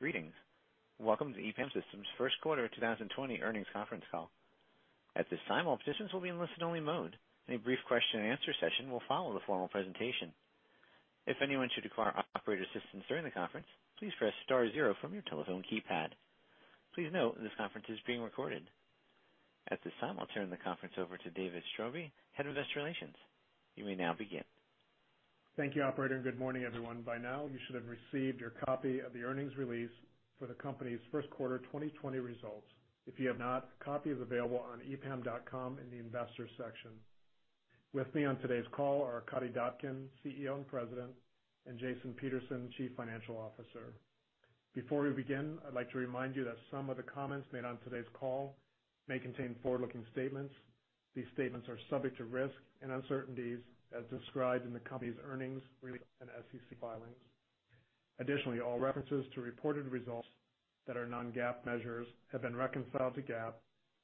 Greetings. Welcome to EPAM Systems' first quarter 2020 earnings conference call. At this time, all participants will be in listen-only mode, and a brief question and answer session will follow the formal presentation. If anyone should require operator assistance during the conference, please press star zero from your telephone keypad. Please note this conference is being recorded. At this time, I'll turn the conference over to David Straube, Head of Investor Relations. You may now begin. Thank you operator. Good morning, everyone. By now, you should have received your copy of the earnings release for the company's first quarter 2020 results. If you have not, a copy is available on epam.com in the Investors section. With me on today's call are Arkadiy Dobkin, CEO and President, and Jason Peterson, Chief Financial Officer. Before we begin, I'd like to remind you that some of the comments made on today's call may contain forward-looking statements. These statements are subject to risk and uncertainties as described in the company's earnings release and SEC filings. Additionally, all references to reported results that are non-GAAP measures have been reconciled to GAAP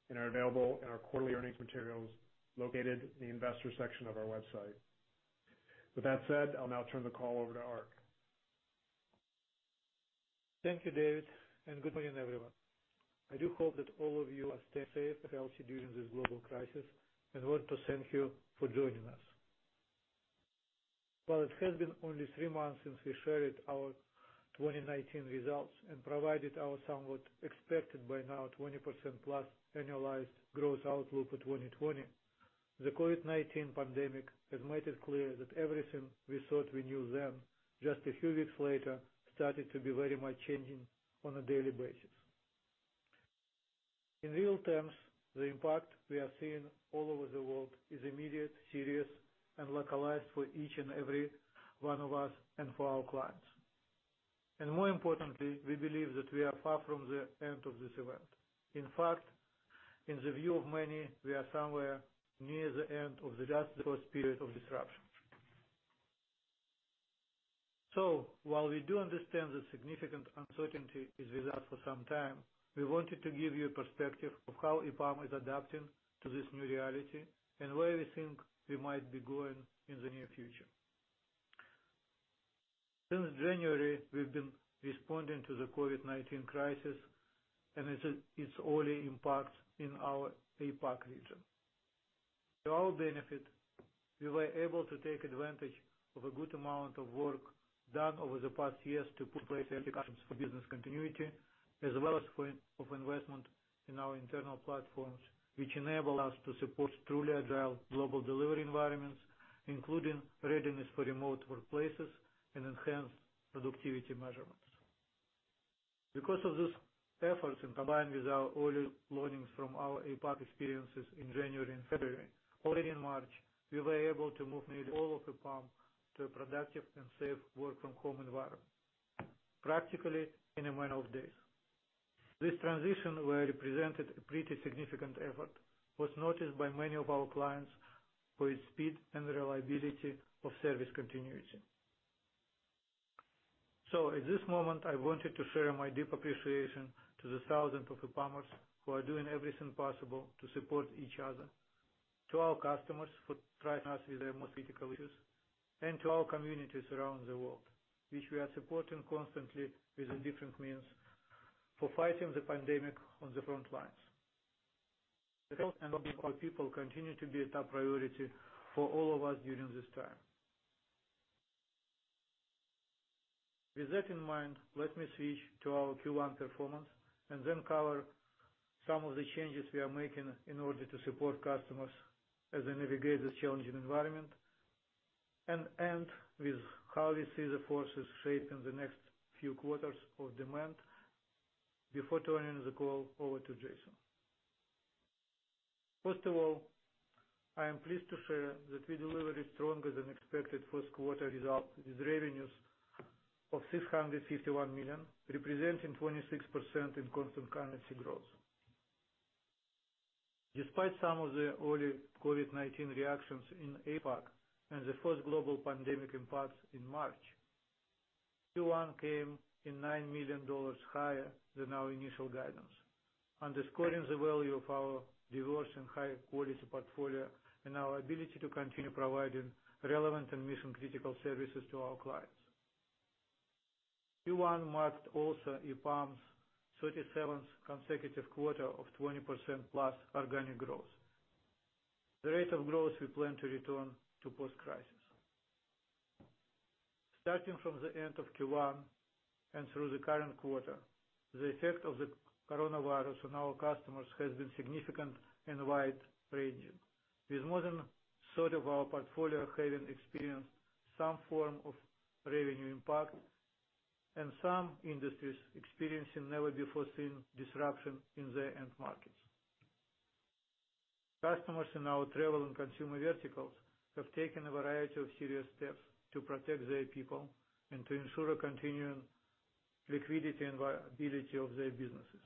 and are available in our quarterly earnings materials located in the Investors section of our website. With that said, I'll now turn the call over to Ark. Thank you, David, and good morning, everyone. I do hope that all of you are staying safe and healthy during this global crisis and want to thank you for joining us. While it has been only three months since we shared our 2019 results and provided our somewhat expected by now 20%+ annualized growth outlook for 2020, the COVID-19 pandemic has made it clear that everything we thought we knew then, just a few weeks later started to be very much changing on a daily basis. In real terms, the impact we are seeing all over the world is immediate, serious, and localized for each and every one of us and for our clients. More importantly, we believe that we are far from the end of this event. In fact, in the view of many, we are somewhere near the end of just the first period of disruption. While we do understand the significant uncertainty is with us for some time, we wanted to give you a perspective of how EPAM is adapting to this new reality and where we think we might be going in the near future. Since January, we've been responding to the COVID-19 crisis and its early impact in our APAC region. To our benefit, we were able to take advantage of a good amount of work done over the past years to put in place anti-disruption for business continuity as well as for investment in our internal platforms, which enable us to support truly agile global delivery environments, including readiness for remote workplaces and enhanced productivity measurements. Because of those efforts and combined with our early learnings from our APAC experiences in January and February, early in March, we were able to move nearly all of EPAM to a productive and safe work-from-home environment practically in a matter of days. This transition, while it represented a pretty significant effort, was noticed by many of our clients for its speed and reliability of service continuity. At this moment, I wanted to share my deep appreciation to the thousands of EPAMers who are doing everything possible to support each other, to our customers who trust us with their most critical issues, and to our communities around the world, which we are supporting constantly with different means for fighting the pandemic on the front lines. The health and well-being of our people continue to be a top priority for all of us during this time. With that in mind, let me switch to our Q1 performance and then cover some of the changes we are making in order to support customers as they navigate this challenging environment. End with how we see the forces shaping the next few quarters of demand before turning the call over to Jason. First of all, I am pleased to share that we delivered stronger than expected first quarter results with revenues of $651 million, representing 26% in constant currency growth. Despite some of the early COVID-19 reactions in APAC and the first global pandemic impacts in March, Q1 came in $9 million higher than our initial guidance, underscoring the value of our diverse and high-quality portfolio and our ability to continue providing relevant and mission-critical services to our clients. Q1 marked also EPAM's 37th consecutive quarter of 20%+ organic growth. The rate of growth we plan to return to post-crisis. Starting from the end of Q1 and through the current quarter, the effect of the coronavirus on our customers has been significant and wide-ranging. With more than a third of our portfolio having experienced some form of revenue impact and some industries experiencing never-before-seen disruption in their end markets. Customers in our travel and consumer verticals have taken a variety of serious steps to protect their people and to ensure a continuing liquidity and viability of their businesses.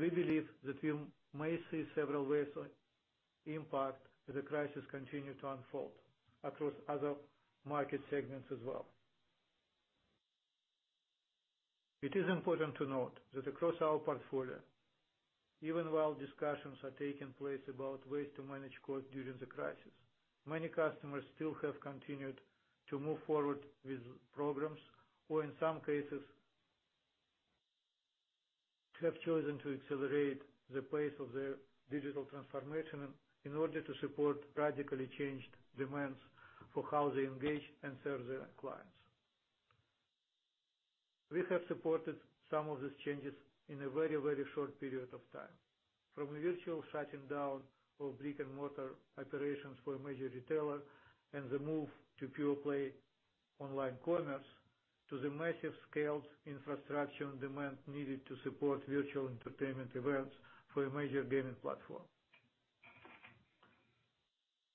We believe that we may see several waves of impact as the crisis continue to unfold across other market segments as well. It is important to note that across our portfolio, even while discussions are taking place about ways to manage costs during the crisis, many customers still have continued to move forward with programs. In some cases, have chosen to accelerate the pace of their digital transformation in order to support radically changed demands for how they engage and serve their clients. We have supported some of these changes in a very short period of time, from the virtual shutting down of brick and mortar operations for a major retailer and the move to pure-play online commerce, to the massive scaled infrastructure and demand needed to support virtual entertainment events for a major gaming platform.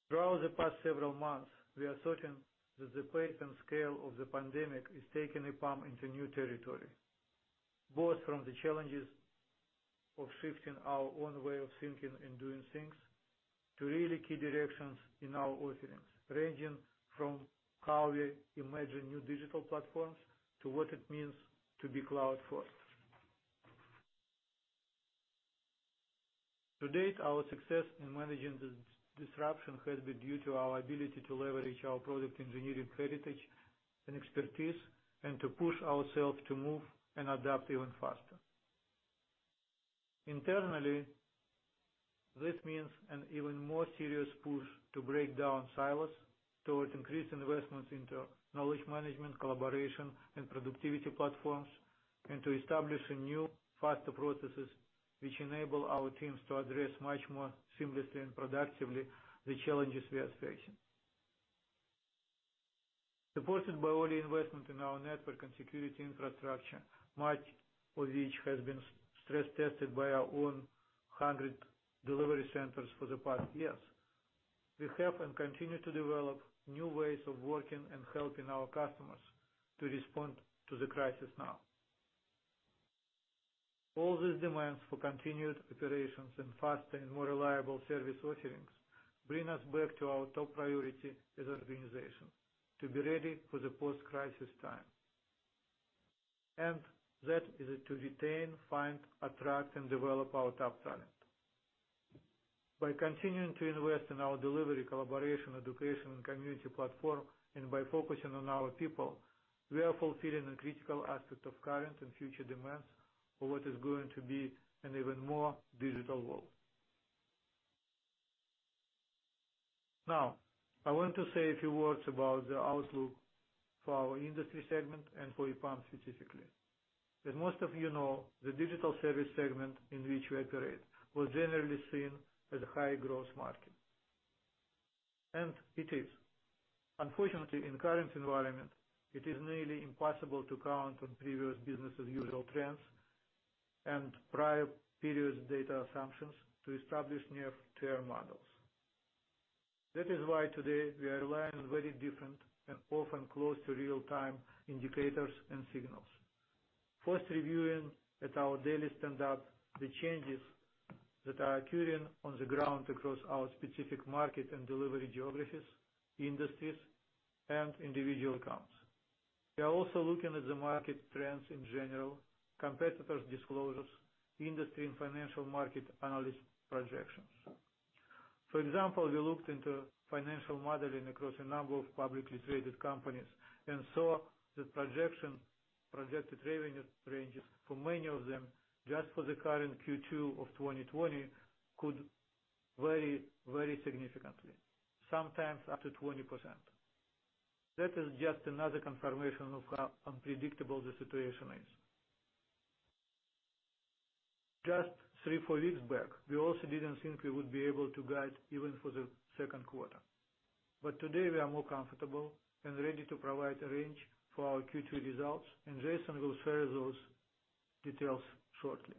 Throughout the past several months, we are certain that the pace and scale of the pandemic is taking EPAM into new territory, both from the challenges of shifting our own way of thinking and doing things, to really key directions in our offerings. Ranging from how we imagine new digital platforms to what it means to be cloud-first. To date, our success in managing this disruption has been due to our ability to leverage our product engineering heritage and expertise, and to push ourselves to move and adapt even faster. Internally, this means an even more serious push to break down silos towards increased investments into knowledge management, collaboration, and productivity platforms, and to establish new, faster processes which enable our teams to address much more seamlessly and productively the challenges we are facing. Supported by all the investment in our network and security infrastructure, much of which has been stress-tested by our own 100 delivery centers for the past years. We have and continue to develop new ways of working and helping our customers to respond to the crisis now. All these demands for continued operations and faster and more reliable service offerings bring us back to our top priority as an organization, to be ready for the post-crisis time. That is to retain, find, attract, and develop our top talent. By continuing to invest in our delivery, collaboration, education, and community platform, and by focusing on our people, we are fulfilling a critical aspect of current and future demands for what is going to be an even more digital world. Now, I want to say a few words about the outlook for our industry segment and for EPAM specifically. As most of you know, the digital service segment in which we operate was generally seen as a high-growth market. It is. Unfortunately, in the current environment, it is nearly impossible to count on previous business as usual trends and prior period data assumptions to establish near-term models. That is why today we are relying on very different and often close to real-time indicators and signals. First reviewing at our daily standup the changes that are occurring on the ground across our specific market and delivery geographies, industries, and individual accounts. We are also looking at the market trends in general, competitors' disclosures, industry and financial market analysis projections. For example, we looked into financial modeling across a number of publicly traded companies and saw that projected revenue ranges for many of them just for the current Q2 of 2020 could vary very significantly, sometimes up to 20%. That is just another confirmation of how unpredictable the situation is. Just three, four weeks back, we also didn't think we would be able to guide even for the second quarter. Today we are more comfortable and ready to provide a range for our Q2 results, and Jason will share those details shortly.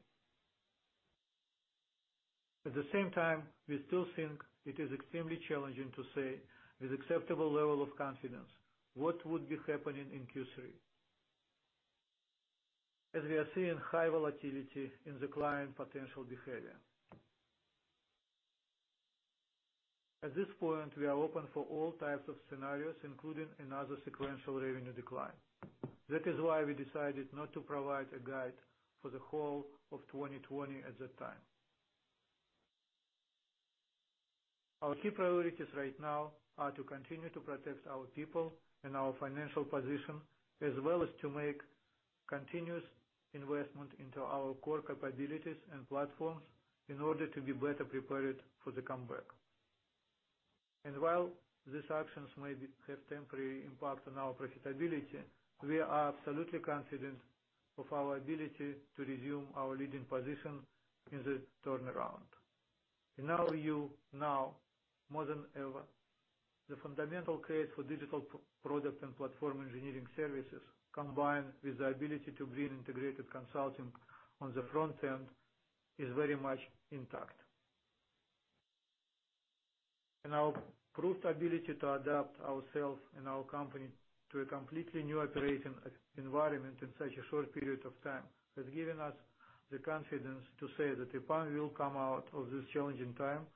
At the same time, we still think it is extremely challenging to say with acceptable level of confidence what would be happening in Q3, as we are seeing high volatility in the client potential behavior. At this point, we are open for all types of scenarios, including another sequential revenue decline. That is why we decided not to provide a guide for the whole of 2020 at that time. Our key priorities right now are to continue to protect our people and our financial position, as well as to make continuous investment into our core capabilities and platforms in order to be better prepared for the comeback. While these actions may have temporary impact on our profitability, we are absolutely confident of our ability to resume our leading position in the turnaround. In our view now more than ever, the fundamental case for digital product and platform engineering services, combined with the ability to bring integrated consulting on the front end, is very much intact. Our proved ability to adapt ourselves and our company to a completely new operating environment in such a short period of time has given us the confidence to say that EPAM will come out of this challenging time.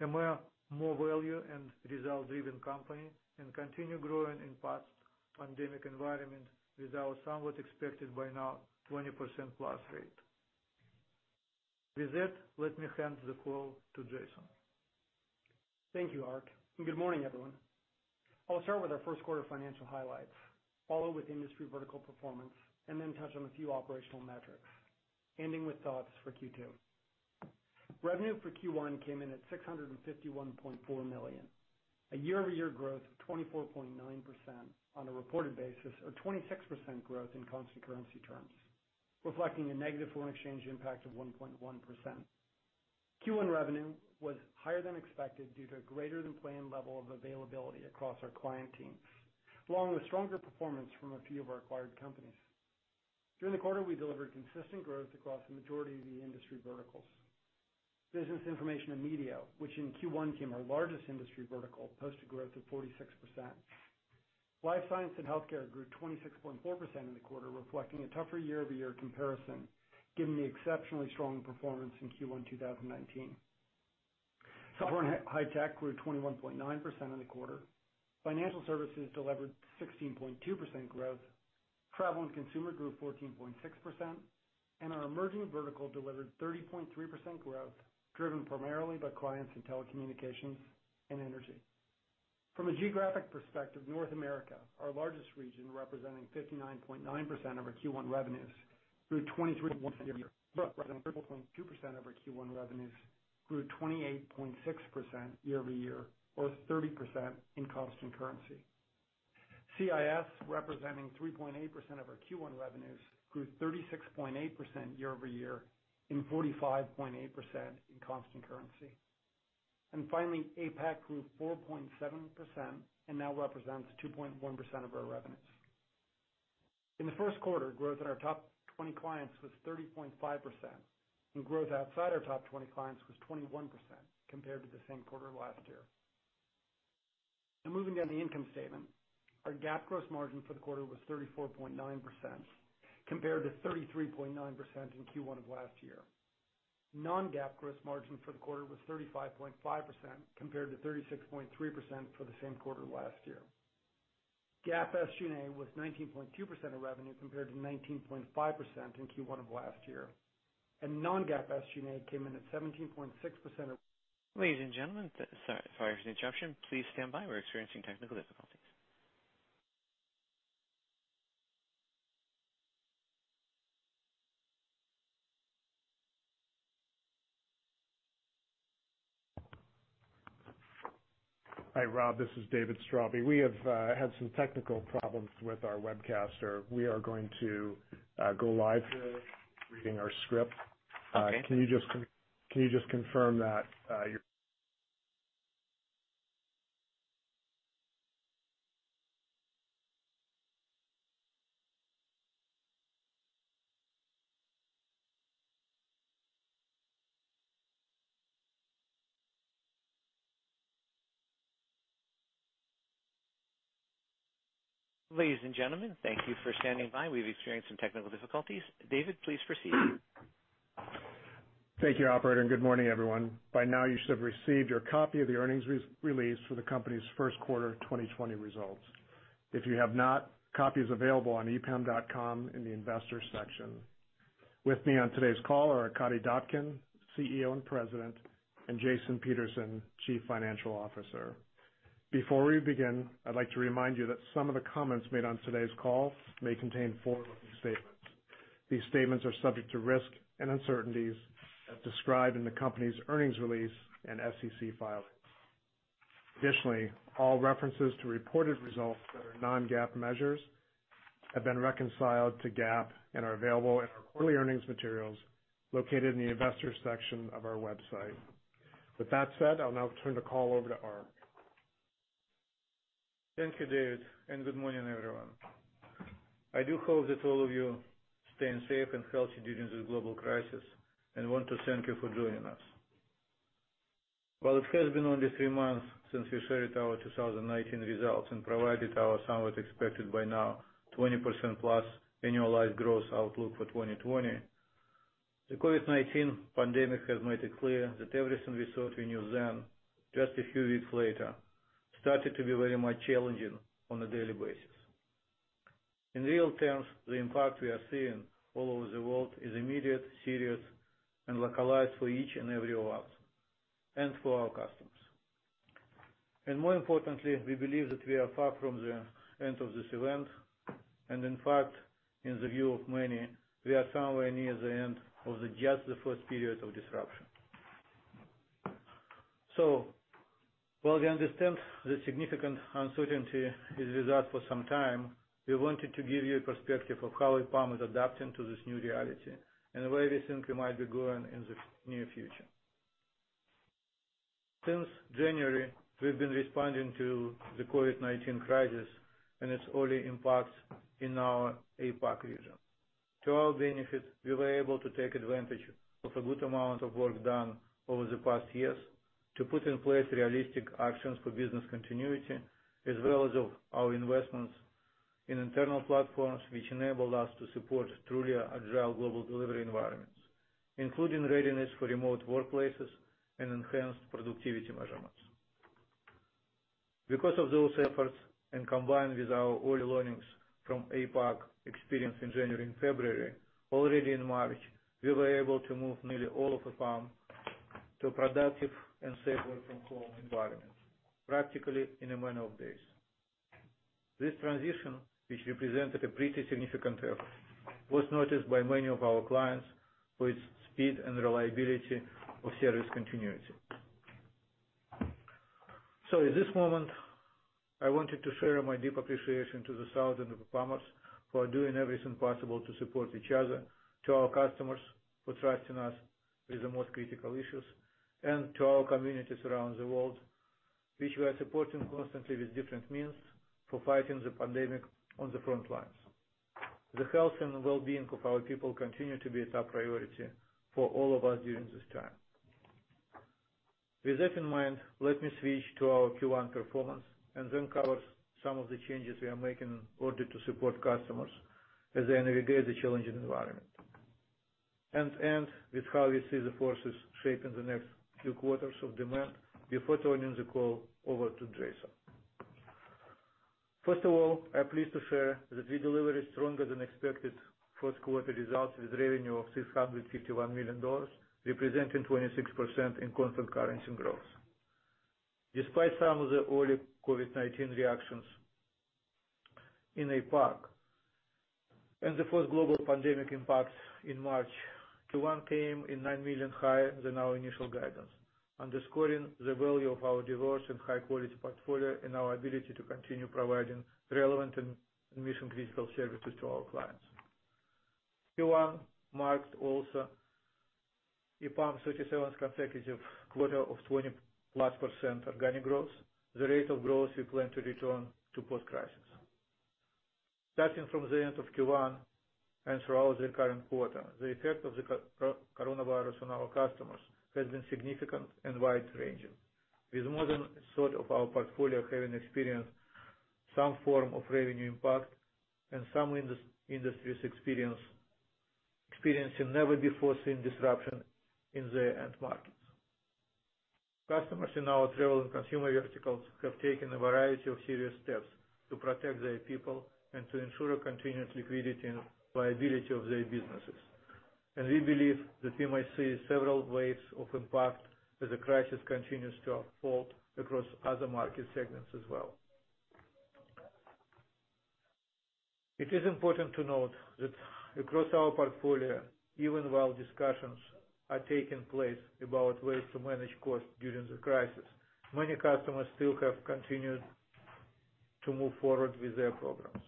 We are more value and result-driven company and continue growing in post-pandemic environment with our somewhat expected by now 20%+ rate. With that, let me hand the call to Jason. Thank you, Ark. Good morning, everyone. I'll start with our first quarter financial highlights, follow with industry vertical performance, and then touch on a few operational metrics, ending with thoughts for Q2. Revenue for Q1 came in at $651.4 million, a YoY growth of 24.9% on a reported basis, or 26% growth in constant currency terms, reflecting a negative foreign exchange impact of 1.1%. Q1 revenue was higher than expected due to greater than planned level of availability across our client teams, along with stronger performance from a few of our acquired companies. During the quarter, we delivered consistent growth across the majority of the industry verticals. Business Information and Media, which in Q1 came our largest industry vertical, posted growth of 46%. Life Science and Healthcare grew 26.4% in the quarter, reflecting a tougher YoY comparison given the exceptionally strong performance in Q1 2019. Software and high tech grew 21.9% in the quarter. Financial services delivered 16.2% growth. Travel and consumer grew 14.6%, our emerging vertical delivered 30.3% growth, driven primarily by clients in telecommunications and energy. From a geographic perspective, North America, our largest region representing 59.9% of our Q1 revenues, grew 23.1% YoY. Europe, representing 34.2% of our Q1 revenues grew 28.6% YoY or 30% in constant currency. CIS representing 3.8% of our Q1 revenues grew 36.8% YoY and 45.8% in constant currency. Finally, APAC grew 4.7% and now represents 2.1% of our revenues. In the first quarter, growth in our top 20 clients was 30.5%, and growth outside our top 20 clients was 21% compared to the same quarter last year. Now moving down the income statement, our GAAP gross margin for the quarter was 34.9% compared to 33.9% in Q1 of last year. Non-GAAP gross margin for the quarter was 35.5% compared to 36.3% for the same quarter last year. GAAP SG&A was 19.2% of revenue compared to 19.5% in Q1 of last year, and non-GAAP SG&A came in at 17.6%. Ladies and gentlemen, sorry for the interruption. Please stand by. We're experiencing technical difficulties. Hi, Rob, this is David Straube. We have had some technical problems with our webcaster. We are going to go live today reading our script. Okay. Can you just confirm that? Ladies and gentlemen, thank you for standing by. We've experienced some technical difficulties. David, please proceed. Thank you, operator, and good morning, everyone. By now, you should have received your copy of the earnings release for the company's first quarter 2020 results. If you have not, copy is available on epam.com in the investor section. With me on today's call are Arkadiy Dobkin, CEO and President, and Jason Peterson, Chief Financial Officer. Before we begin, I'd like to remind you that some of the comments made on today's call may contain forward-looking statements. These statements are subject to risks and uncertainties as described in the company's earnings release and SEC filings. Additionally, all references to reported results that are non-GAAP measures have been reconciled to GAAP and are available in our quarterly earnings materials located in the investor section of our website. With that said, I'll now turn the call over to Ark. Thank you, David, and good morning, everyone. I do hope that all of you staying safe and healthy during this global crisis and want to thank you for joining us. While it has been only three months since we shared our 2019 results and provided our somewhat expected by now 20%+ annualized growth outlook for 2020, the COVID-19 pandemic has made it clear that everything we thought we knew then, just a few weeks later, started to be very much challenging on a daily basis. In real terms, the impact we are seeing all over the world is immediate, serious, and localized for each and every one of us and for our customers. More importantly, we believe that we are far from the end of this event. In fact, in the view of many, we are somewhere near the end of just the first period of disruption. While we understand the significant uncertainty is with us for some time, we wanted to give you a perspective of how EPAM is adapting to this new reality and the way we think we might be going in the near future. Since January, we've been responding to the COVID-19 crisis and its early impacts in our APAC region. To our benefit, we were able to take advantage of a good amount of work done over the past years to put in place realistic actions for business continuity as well as of our investments in internal platforms which enable us to support truly agile global delivery environments, including readiness for remote workplaces and enhanced productivity measurements. Because of those efforts, and combined with our early learnings from APAC experience in January and February, already in March, we were able to move nearly all of EPAM to a productive and safe work-from-home environment practically in a matter of days. This transition, which represented a pretty significant effort, was noticed by many of our clients for its speed and reliability of service continuity. At this moment, I wanted to share my deep appreciation to the thousands of EPAMers who are doing everything possible to support each other, to our customers for trusting us with the most critical issues, and to our communities around the world, which we are supporting constantly with different means for fighting the pandemic on the front lines. The health and wellbeing of our people continue to be a top priority for all of us during this time. With that in mind, let me switch to our Q1 performance and then cover some of the changes we are making in order to support customers as they navigate the challenging environment. End with how we see the forces shaping the next few quarters of demand, before turning the call over to Jason. First of all, I'm pleased to share that we delivered a stronger than expected first quarter result with revenue of $651 million, representing 26% in constant currency growth. Despite some of the early COVID-19 reactions in APAC and the first global pandemic impacts in March, Q1 came in $9 million higher than our initial guidance, underscoring the value of our diverse and high-quality portfolio and our ability to continue providing relevant and mission-critical services to our clients. Q1 marked also EPAM's 37th consecutive quarter of 20%+ organic growth, the rate of growth we plan to return to post-crisis. Starting from the end of Q1 and throughout the current quarter, the effect of the coronavirus on our customers has been significant and wide-ranging, with more than 1/3 of our portfolio having experienced some form of revenue impact and some industries experiencing never-before-seen disruption in their end markets. Customers in our travel and consumer verticals have taken a variety of serious steps to protect their people and to ensure continued liquidity and viability of their businesses. We believe that we might see several waves of impact as the crisis continues to unfold across other market segments as well. It is important to note that across our portfolio, even while discussions are taking place about ways to manage costs during the crisis, many customers still have continued to move forward with their programs.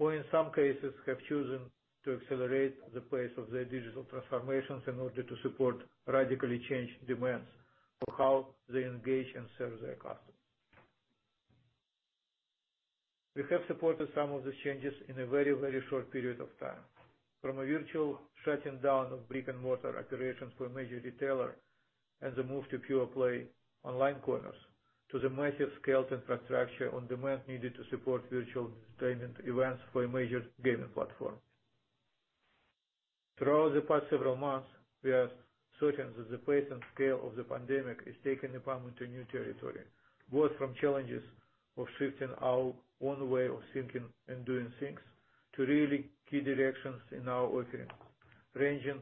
In some cases, have chosen to accelerate the pace of their digital transformations in order to support radically changed demands for how they engage and serve their customers. We have supported some of these changes in a very short period of time, from a virtual shutting down of brick-and-mortar operations for a major retailer and the move to pure play online commerce, to the massive scale infrastructure on demand needed to support virtual entertainment events for a major gaming platform. Throughout the past several months, we are certain that the pace and scale of the pandemic is taking EPAM into new territory. Both from challenges of shifting our own way of thinking and doing things, to really key directions in our offering, ranging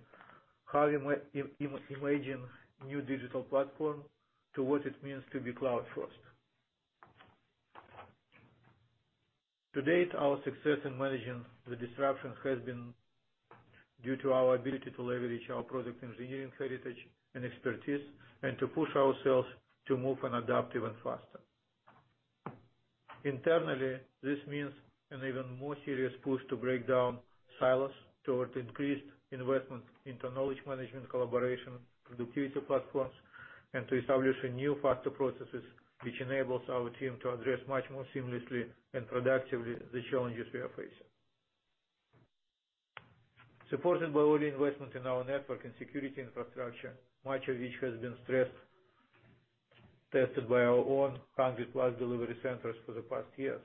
how we imagine new digital platform to what it means to be cloud first. To date, our success in managing the disruption has been due to our ability to leverage our product engineering heritage and expertise, and to push ourselves to move and adapt even faster. Internally, this means an even more serious push to break down silos toward increased investment into knowledge management, collaboration, productivity platforms, and to establish new, faster processes which enables our team to address much more seamlessly and productively the challenges we are facing. Supported by early investment in our network and security infrastructure, much of which has been stress-tested by our own 100+ delivery centers for the past years.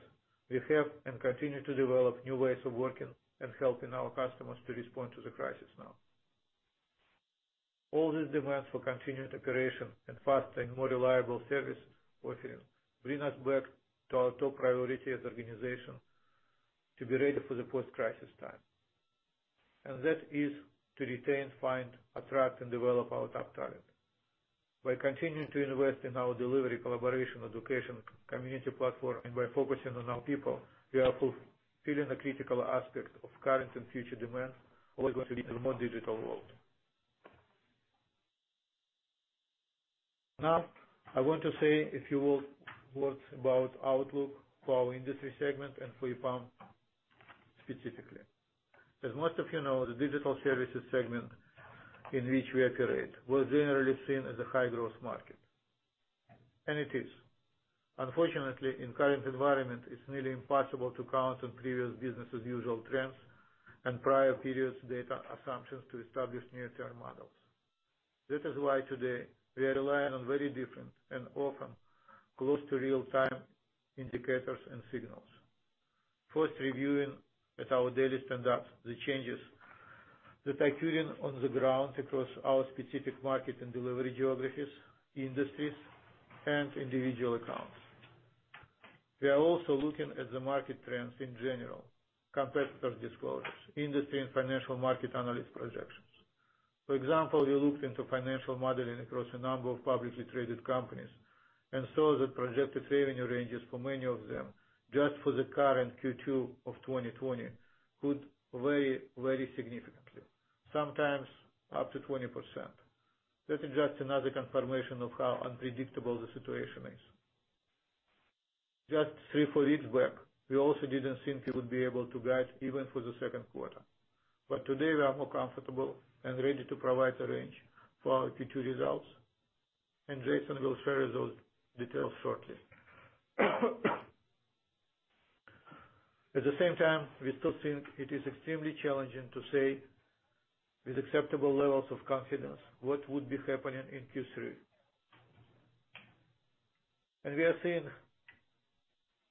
We have and continue to develop new ways of working and helping our customers to respond to the crisis now. All these demands for continued operation and faster and more reliable service offering bring us back to our top priority as an organization, to be ready for the post-crisis time. That is to retain, find, attract, and develop our top talent. By continuing to invest in our delivery, collaboration, education, community platform, and by focusing on our people, we are fulfilling a critical aspect of current and future demand, what is going to be the more digital world. Now, I want to say a few words about outlook for our industry segment and for EPAM specifically. As most of you know, the digital services segment in which we operate was generally seen as a high-growth market, and it is. Unfortunately, in current environment, it's nearly impossible to count on previous business as usual trends and prior periods data assumptions to establish near-term models. That is why today we are relying on very different and often close to real-time indicators and signals. First reviewing at our daily stand-ups the changes that are occurring on the ground across our specific market and delivery geographies, industries, and individual accounts. We are also looking at the market trends in general, competitors' disclosures, industry and financial market analyst projections. For example, we looked into financial modeling across a number of publicly traded companies and saw that projected revenue ranges for many of them, just for the current Q2 of 2020 could vary very significantly, sometimes up to 20%. This is just another confirmation of how unpredictable the situation is. Just three, four weeks back, we also didn't think we would be able to guide even for the second quarter. Today we are more comfortable and ready to provide a range for our Q2 results, and Jason will share those details shortly. At the same time, we still think it is extremely challenging to say with acceptable levels of confidence what would be happening in Q3. We are seeing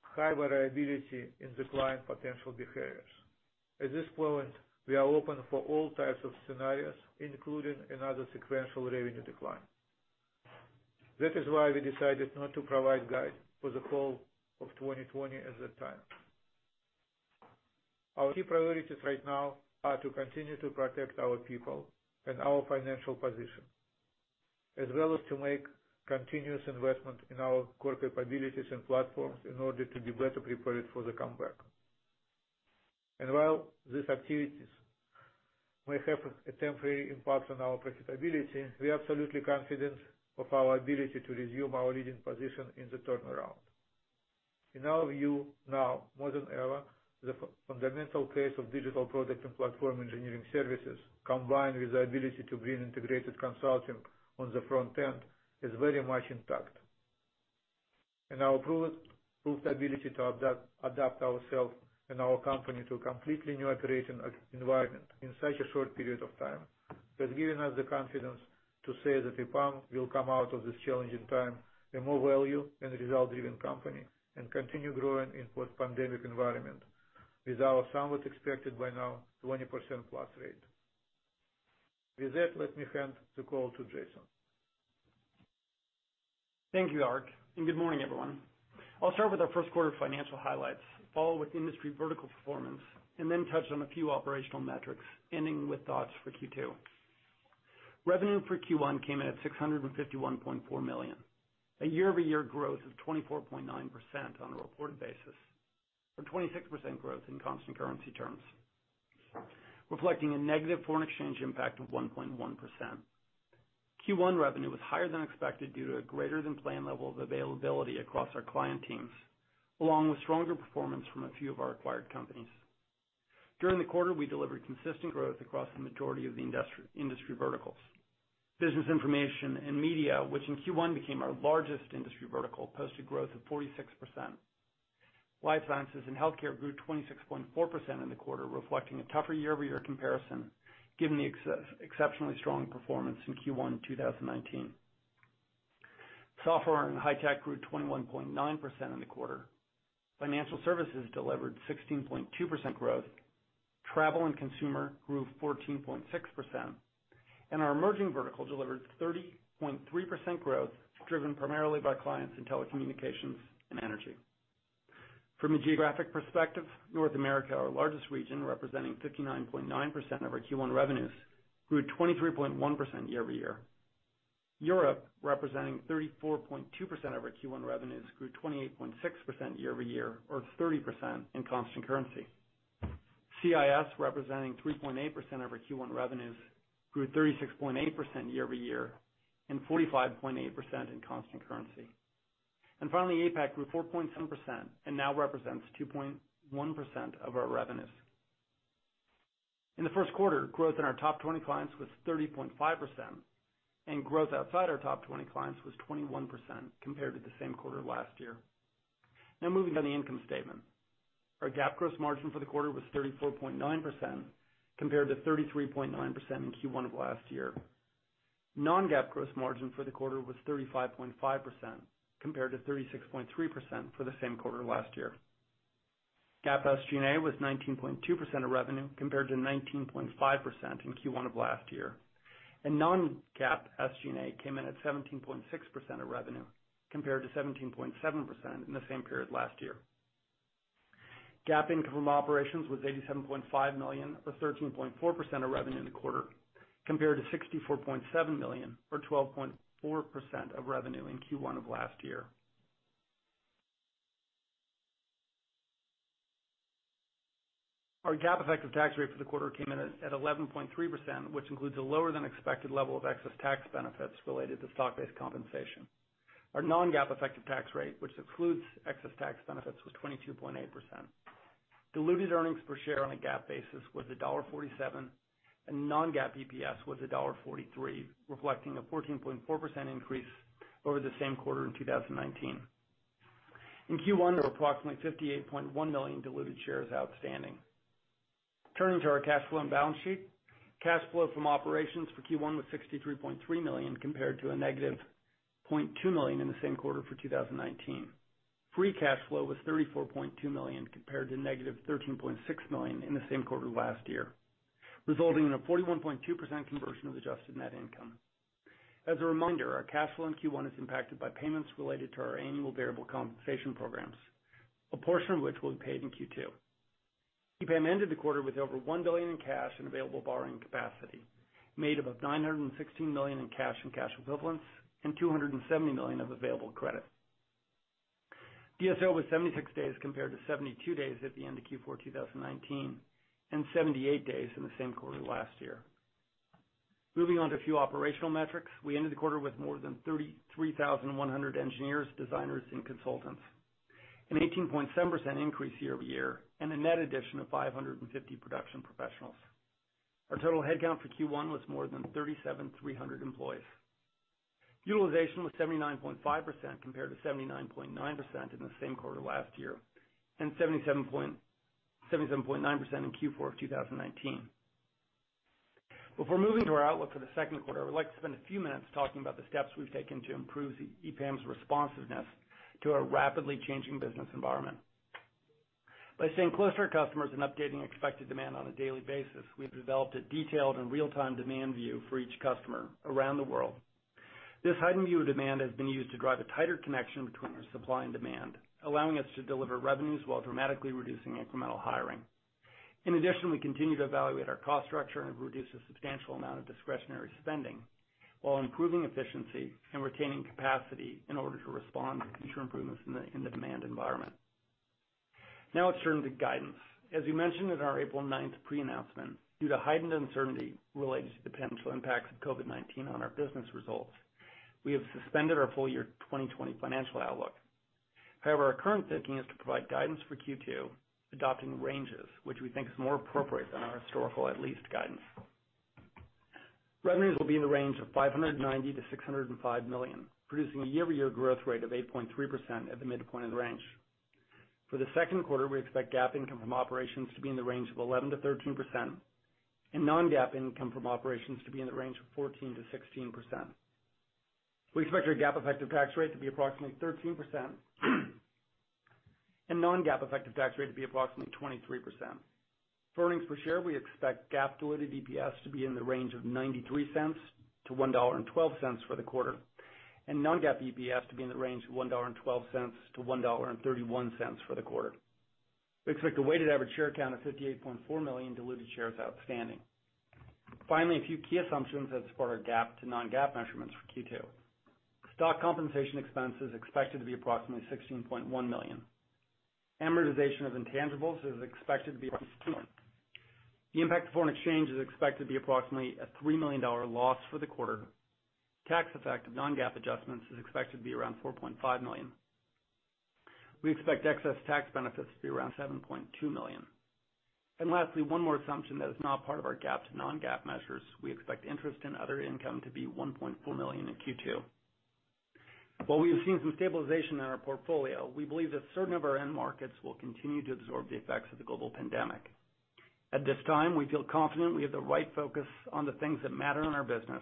high variability in the client potential behaviors. At this point, we are open for all types of scenarios, including another sequential revenue decline. That is why we decided not to provide guide for the fall of 2020 at that time. Our key priorities right now are to continue to protect our people and our financial position, as well as to make continuous investment in our core capabilities and platforms in order to be better prepared for the comeback. While these activities may have a temporary impact on our profitability, we are absolutely confident of our ability to resume our leading position in the turnaround. In our view, now more than ever, the fundamental case of digital product and platform engineering services, combined with the ability to bring integrated consulting on the front end, is very much intact. Our proved ability to adapt ourselves and our company to a completely new operating environment in such a short period of time has given us the confidence to say that EPAM will come out of this challenging time a more value and result-driven company, and continue growing in post-pandemic environment with our somewhat expected by now, 20%+ rate. With that, let me hand the call to Jason. Thank you, Ark. Good morning, everyone. I'll start with our first quarter financial highlights, follow with industry vertical performance, and then touch on a few operational metrics, ending with thoughts for Q2. Revenue for Q1 came in at $651.4 million, a YoY growth of 24.9% on a reported basis, or 26% growth in constant currency terms, reflecting a negative foreign exchange impact of 1.1%. Q1 revenue was higher than expected due to a greater than planned level of availability across our client teams, along with stronger performance from a few of our acquired companies. During the quarter, we delivered consistent growth across the majority of the industry verticals. Business Information and Media, which in Q1 became our largest industry vertical, posted growth of 46%. Life Sciences and Healthcare grew 26.4% in the quarter, reflecting a tougher YoY comparison, given the exceptionally strong performance in Q1 2019. Software and high tech grew 21.9% in the quarter. Financial services delivered 16.2% growth. Travel and consumer grew 14.6%. Our emerging vertical delivered 30.3% growth, driven primarily by clients in telecommunications and energy. From a geographic perspective, North America, our largest region, representing 59.9% of our Q1 revenues, grew 23.1% YoY. Europe, representing 34.2% of our Q1 revenues, grew 28.6% YoY, or 30% in constant currency. CIS, representing 3.8% of our Q1 revenues, grew 36.8% YoY, and 45.8% in constant currency. Finally, APAC grew 4.7% and now represents 2.1% of our revenues. In the first quarter, growth in our top 20 clients was 30.5%, and growth outside our top 20 clients was 21% compared to the same quarter last year. Now moving on the income statement. Our GAAP gross margin for the quarter was 34.9% compared to 33.9% in Q1 of last year. non-GAAP gross margin for the quarter was 35.5%, compared to 36.3% for the same quarter last year. GAAP SG&A was 19.2% of revenue, compared to 19.5% in Q1 of last year. Non-GAAP SG&A came in at 17.6% of revenue, compared to 17.7% in the same period last year. GAAP income from operations was $87.5 million, or 13.4% of revenue in the quarter, compared to $64.7 million or 12.4% of revenue in Q1 of last year. Our GAAP effective tax rate for the quarter came in at 11.3%, which includes a lower than expected level of excess tax benefits related to stock-based compensation. Our non-GAAP effective tax rate, which excludes excess tax benefits, was 22.8%. Diluted earnings per share on a GAAP basis was $1.47, and non-GAAP EPS was $1.43, reflecting a 14.4% increase over the same quarter in 2019. In Q1, there were approximately 58.1 million diluted shares outstanding. Turning to our cash flow and balance sheet. Cash flow from operations for Q1 was $63.3 million, compared to a negative $0.2 million in the same quarter for 2019. Free cash flow was $34.2 million compared to negative $13.6 million in the same quarter last year, resulting in a 41.2% conversion of adjusted net income. As a reminder, our cash flow in Q1 is impacted by payments related to our annual variable compensation programs, a portion of which will be paid in Q2. EPAM ended the quarter with over $1 billion in cash and available borrowing capacity, made up of $916 million in cash and cash equivalents and $270 million of available credit. DSO was 76 days compared to 72 days at the end of Q4 2019, and 78 days in the same quarter last year. Moving on to a few operational metrics. We ended the quarter with more than 33,100 engineers, designers, and consultants, an 18.7% increase YoY, and a net addition of 550 production professionals. Our total headcount for Q1 was more than 37,300 employees. Utilization was 79.5%, compared to 79.9% in the same quarter last year, and 77.9% in Q4 of 2019. Before moving to our outlook for the second quarter, I would like to spend a few minutes talking about the steps we've taken to improve EPAM's responsiveness to a rapidly changing business environment. By staying close to our customers and updating expected demand on a daily basis, we've developed a detailed and real-time demand view for each customer around the world. This heightened view of demand has been used to drive a tighter connection between our supply and demand, allowing us to deliver revenues while dramatically reducing incremental hiring. In addition, we continue to evaluate our cost structure and have reduced a substantial amount of discretionary spending while improving efficiency and retaining capacity in order to respond to future improvements in the demand environment. Now, let's turn to guidance. As we mentioned in our April 9th pre-announcement, due to heightened uncertainty related to the potential impacts of COVID-19 on our business results, we have suspended our full year 2020 financial outlook. However, our current thinking is to provide guidance for Q2, adopting ranges, which we think is more appropriate than our historical at-least guidance. Revenues will be in the range of $590 million-$605 million, producing a YoY growth rate of 8.3% at the midpoint of the range. For the second quarter, we expect GAAP income from operations to be in the range of 11%-13%, and non-GAAP income from operations to be in the range of 14%-16%. We expect our GAAP effective tax rate to be approximately 13%, and non-GAAP effective tax rate to be approximately 23%. For earnings per share, we expect GAAP diluted EPS to be in the range of $0.93 to $1.12 for the quarter, and non-GAAP EPS to be in the range of $1.12-$1.31 for the quarter. We expect the weighted average share count of 58.4 million diluted shares outstanding. Finally, a few key assumptions as for our GAAP to non-GAAP measurements for Q2. Stock compensation expense is expected to be approximately $16.1 million. Amortization of intangibles is expected to be. The impact of foreign exchange is expected to be approximately a $3 million loss for the quarter. Tax effect of non-GAAP adjustments is expected to be around $4.5 million. We expect excess tax benefits to be around $7.2 million. Lastly, one more assumption that is not part of our GAAP to non-GAAP measures, we expect interest in other income to be $1.4 million in Q2. While we have seen some stabilization in our portfolio, we believe that certain of our end markets will continue to absorb the effects of the global pandemic. At this time, we feel confident we have the right focus on the things that matter in our business,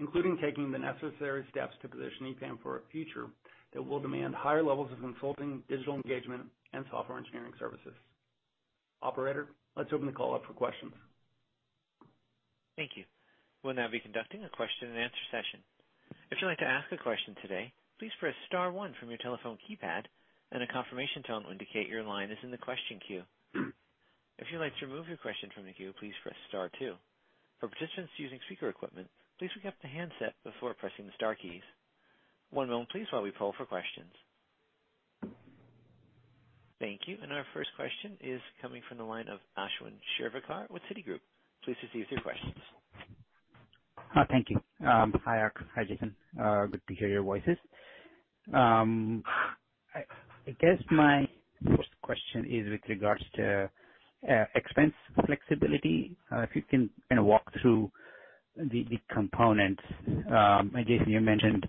including taking the necessary steps to position EPAM for a future that will demand higher levels of consulting, digital engagement, and software engineering services. Operator, let's open the call up for questions. Thank you. We'll now be conducting a question and answer session. If you'd like to ask a question today, please press star one from your telephone keypad, and a confirmation tone will indicate your line is in the question queue. If you'd like to remove your question from the queue, please press star two. For participants using speaker equipment, please pick up the handset before pressing the star keys. One moment please while we poll for questions. Thank you. Our first question is coming from the line of Ashwin Shirvaikar with Citigroup. Please proceed with your questions. Thank you. Hi, Ark. Hi, Jason. Good to hear your voices. I guess my first question is with regards to expense flexibility. If you can kind of walk through the components. Jason, you mentioned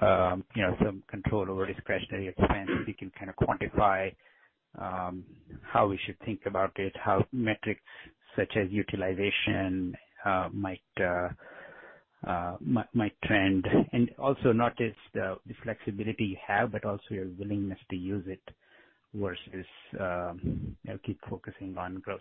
some control over discretionary expense. If you can kind of quantify how we should think about it, how metrics such as utilization might end. Also notice the flexibility you have, but also your willingness to use it versus keep focusing on growth.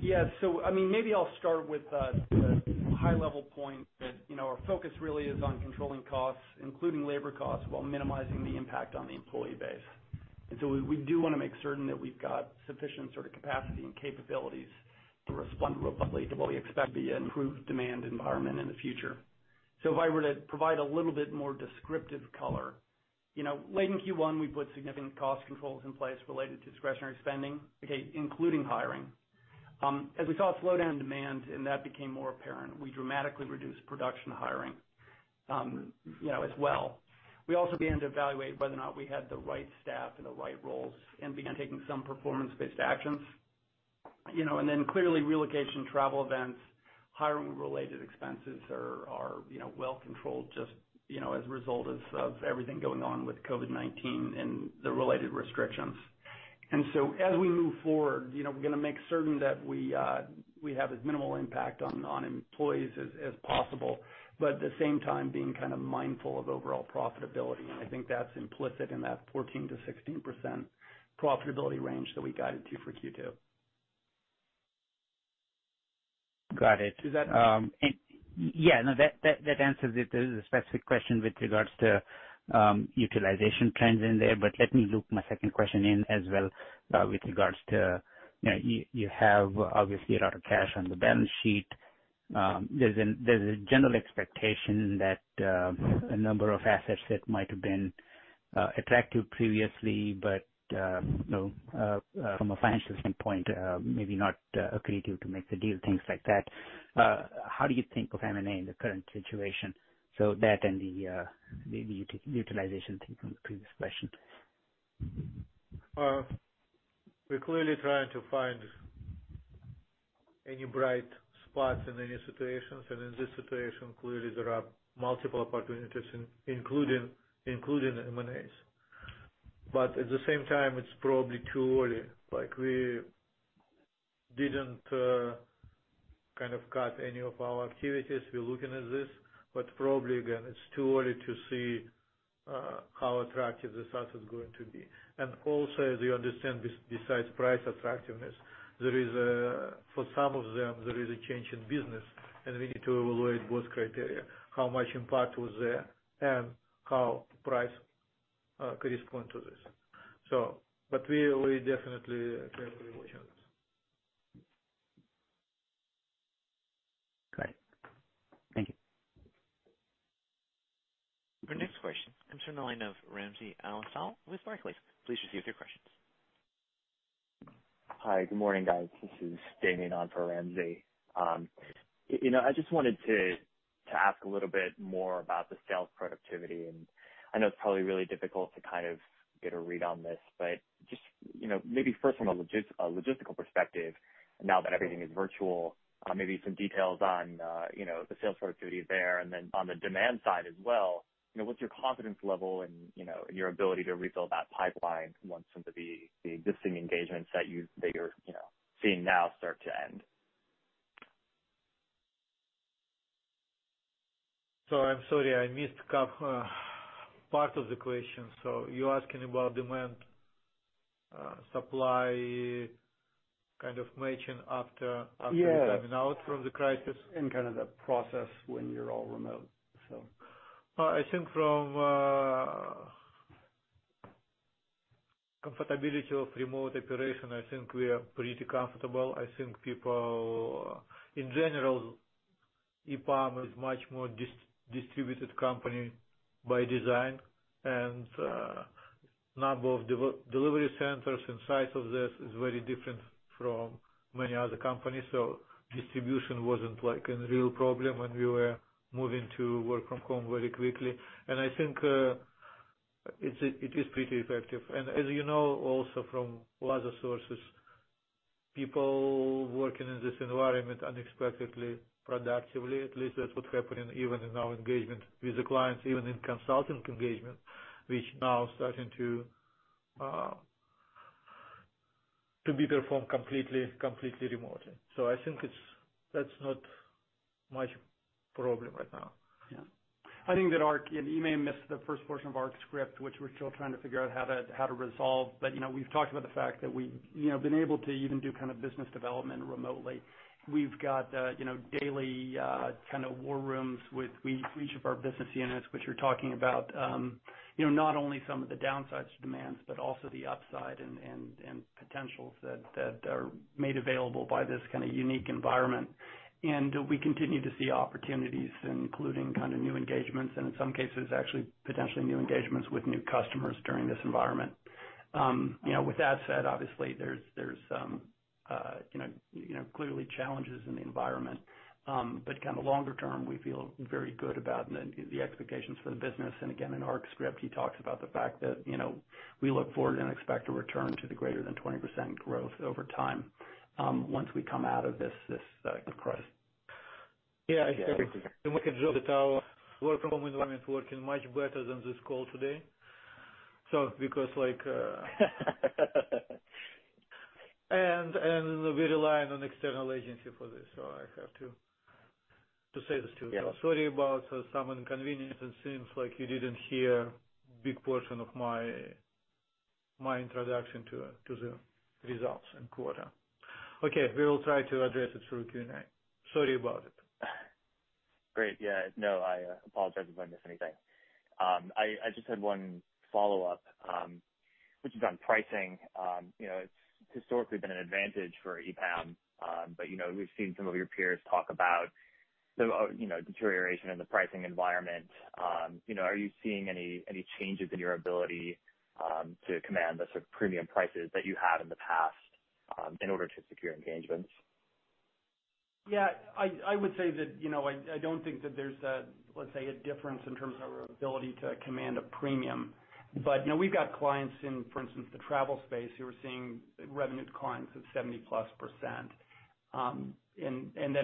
Maybe I'll start with the high-level point that our focus really is on controlling costs, including labor costs, while minimizing the impact on the employee base. We do want to make certain that we've got sufficient capacity and capabilities to respond rapidly to what we expect the improved demand environment in the future. If I were to provide a little bit more descriptive color. Late in Q1, we put significant cost controls in place related to discretionary spending, including hiring. As we saw a slowdown in demand and that became more apparent, we dramatically reduced production hiring as well. We also began to evaluate whether or not we had the right staff in the right roles and began taking some performance-based actions. Clearly relocation, travel events, hiring related expenses are well controlled just as a result of everything going on with COVID-19 and the related restrictions. As we move forward, we're going to make certain that we have as minimal impact on employees as possible, but at the same time, being mindful of overall profitability. I think that's implicit in that 14%-16% profitability range that we guided to for Q2. Got it. Is that- Yeah. No, that answers it. There is a specific question with regards to utilization trends in there. Let me loop my second question in as well, with regards to, you have obviously a lot of cash on the balance sheet. There's a general expectation that a number of assets that might have been attractive previously, but from a financial standpoint, maybe not accretive to make the deal, things like that. How do you think of M&A in the current situation? That and the utilization thing from the previous question. We're clearly trying to find any bright spots in any situations. In this situation, clearly there are multiple opportunities, including M&As. At the same time, it's probably too early. We didn't cut any of our activities. We're looking at this, but probably again, it's too early to see how attractive this asset is going to be. Also, as you understand, besides price attractiveness, for some of them, there is a change in business and we need to evaluate both criteria, how much impact was there, and how price correspond to this. We definitely keep evaluation on this. Got it. Thank you. Our next question comes from the line of Ramsey El-Assal with Barclays. Please proceed with your questions. Hi, good morning, guys. This is Damien on for Ramsey. I just wanted to ask a little bit more about the sales productivity, and I know it's probably really difficult to get a read on this, but just maybe first from a logistical perspective, now that everything is virtual, maybe some details on the sales productivity there. On the demand side as well, what's your confidence level in your ability to refill that pipeline once some of the existing engagements that you're seeing now start to end? I'm sorry I missed part of the question. You're asking about demand supply mention? Yes. We're coming out from the crisis? The process when you're all remote. I think from comfortability of remote operation, I think we are pretty comfortable. I think people in general, EPAM is much more distributed company by design, and number of delivery centers and size of this is very different from many other companies. Distribution wasn't a real problem when we were moving to work from home very quickly. I think it is pretty effective. As you know also from other sources, people working in this environment unexpectedly productively. At least that's what happened even in our engagement with the clients, even in consulting engagement, which now starting to be performed completely remotely. I think that's not much problem right now. Yeah. I think that Ark, and you may have missed the first portion of Ark's script, which we're still trying to figure out how to resolve. We've talked about the fact that we've been able to even do business development remotely. We've got daily war rooms with each of our business units, which you're talking about, not only some of the downsides to demands, but also the upside and potentials that are made available by this unique environment. We continue to see opportunities including new engagements and in some cases actually potentially new engagements with new customers during this environment. With that said, obviously there's clearly challenges in the environment. Longer term, we feel very good about the expectations for the business. Again, in Ark's script, he talks about the fact that we look forward and expect a return to the greater than 20% growth over time once we come out of this crisis. Yeah. I think we can joke that our work from home environment working much better than this call today, because we rely on external agency for this, so I have to say this too. Yeah. Sorry about some inconvenience. It seems like you didn't hear big portion of my introduction to the results and quarter. Okay. We will try to address it through Q&A. Sorry about it. Great. Yeah, no, I apologize if I missed anything. I just had one follow-up, which is on pricing. It's historically been an advantage for EPAM. We've seen some of your peers talk about the deterioration in the pricing environment. Are you seeing any changes in your ability to command the premium prices that you had in the past in order to secure engagements? Yeah. I would say that I don't think that there's a difference in terms of our ability to command a premium. We've got clients in, for instance, the travel space who are seeing revenue declines of 70%+.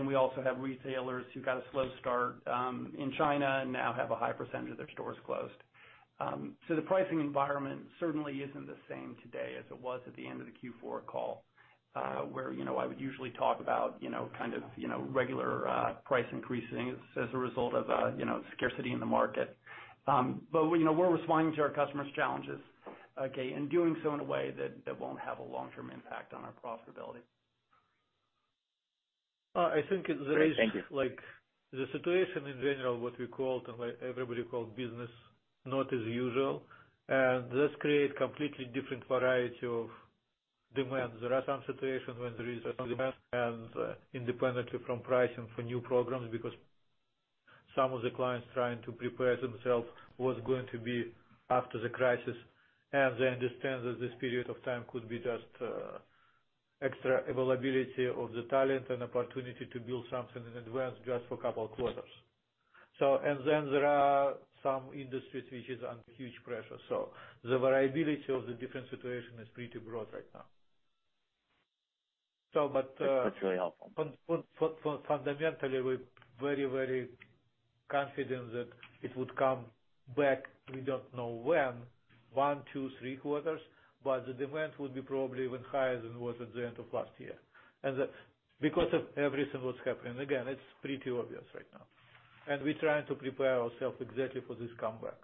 We also have retailers who got a slow start in China and now have a high percentage of their stores closed. The pricing environment certainly isn't the same today as it was at the end of the Q4 call, where I would usually talk about regular price increasing as a result of scarcity in the market. We're responding to our customers' challenges, okay? Doing so in a way that won't have a long-term impact on our profitability. I think there is- Great. Thank you. The situation in general, what everybody called business not as usual. This creates completely different variety of demands. There are some situations where there is demand and independently from pricing for new programs, because some of the clients trying to prepare themselves what's going to be after the crisis. They understand that this period of time could be just extra availability of the talent and opportunity to build something in advance just for a couple of quarters. There are some industries which is under huge pressure. The variability of the different situation is pretty broad right now. That's really helpful. Fundamentally, we're very confident that it would come back. We don't know when, one, two, three quarters, but the demand would be probably even higher than it was at the end of last year, that because of everything that's happening. Again, it's pretty obvious right now. We're trying to prepare ourselves exactly for this comeback.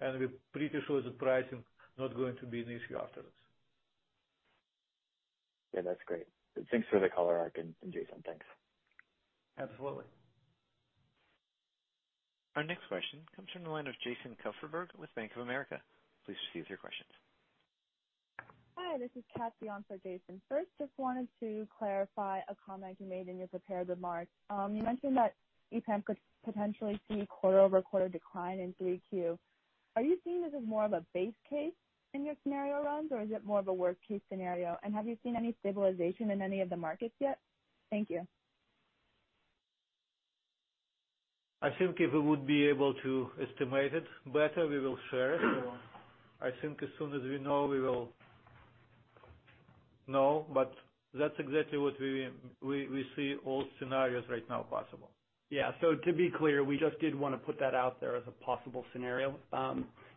We're pretty sure the pricing not going to be an issue afterwards. Yeah, that's great. Thanks for the color, Ark and Jason. Thanks. Absolutely. Our next question comes from the line of Jason Kupferberg with Bank of America. Please proceed with your questions. Hi, this is Kat, on for Jason. Just wanted to clarify a comment you made in your prepared remarks. You mentioned that EPAM could potentially see QoQ decline in Q3. Are you seeing this as more of a base case in your scenario runs, or is it more of a worst-case scenario? Have you seen any stabilization in any of the markets yet? Thank you. I think if we would be able to estimate it better, we will share it. I think as soon as we know, we will know, but that's exactly what we see, all scenarios right now possible. Yeah. To be clear, we just did want to put that out there as a possible scenario.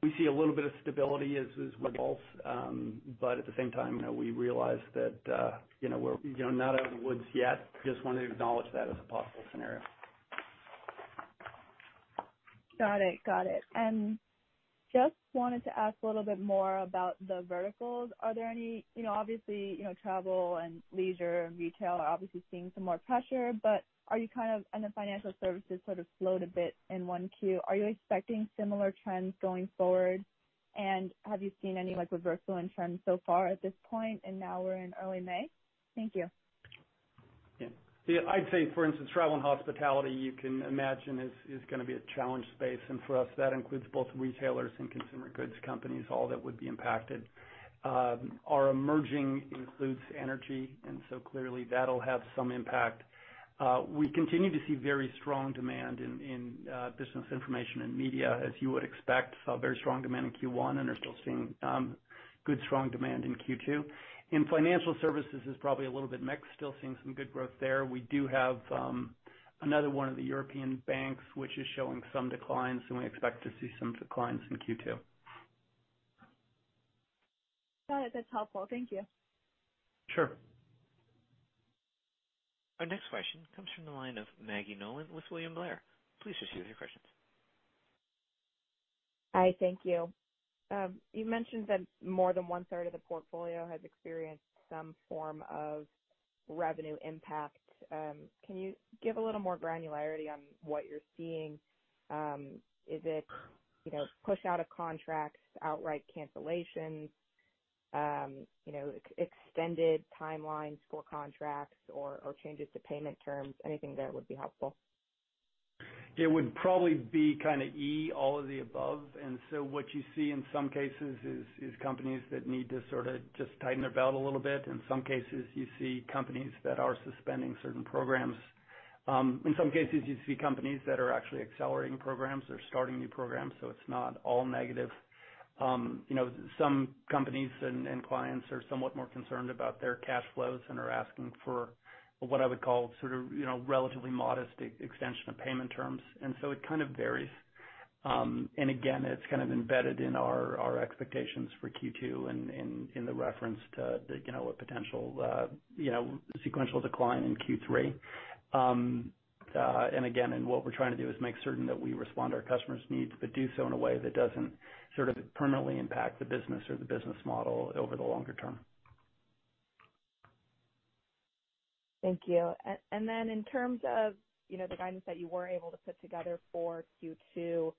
We see a little bit of stability as results. At the same time, we realize that we're not out of the woods yet. Just wanted to acknowledge that as a possible scenario. Got it. Just wanted to ask a little bit more about the verticals. Obviously, travel and leisure and retail are obviously seeing some more pressure, and the financial services sort of slowed a bit in Q1. Are you expecting similar trends going forward? Have you seen any reversal in trends so far at this point, and now we're in early May? Thank you. Yeah. I'd say for instance, travel and hospitality, you can imagine is going to be a challenge space. For us, that includes both retailers and consumer goods companies, all that would be impacted. Our emerging includes energy, and so clearly that'll have some impact. We continue to see very strong demand in business information and media, as you would expect. Saw very strong demand in Q1 and are still seeing good strong demand in Q2. In financial services is probably a little bit mixed. Still seeing some good growth there. We do have another one of the European banks, which is showing some declines, and we expect to see some declines in Q2. Got it. That's helpful. Thank you. Sure. Our next question comes from the line of Maggie Nolan with William Blair. Please proceed with your questions. Hi, thank you. You mentioned that more than 1/3 of the portfolio has experienced some form of revenue impact. Can you give a little more granularity on what you're seeing? Is it push out of contracts, outright cancellation, extended timelines for contracts or changes to payment terms? Anything there would be helpful. It would probably be E, all of the above. What you see in some cases is companies that need to sort of just tighten their belt a little bit. In some cases, you see companies that are suspending certain programs. In some cases, you see companies that are actually accelerating programs or starting new programs. It's not all negative. Some companies and clients are somewhat more concerned about their cash flows and are asking for what I would call sort of relatively modest extension of payment terms. It kind of varies. Again, it's kind of embedded in our expectations for Q2 in the reference to a potential sequential decline in Q3. Again, what we're trying to do is make certain that we respond to our customers' needs, but do so in a way that doesn't sort of permanently impact the business or the business model over the longer term. Thank you. In terms of the guidance that you were able to put together for Q2,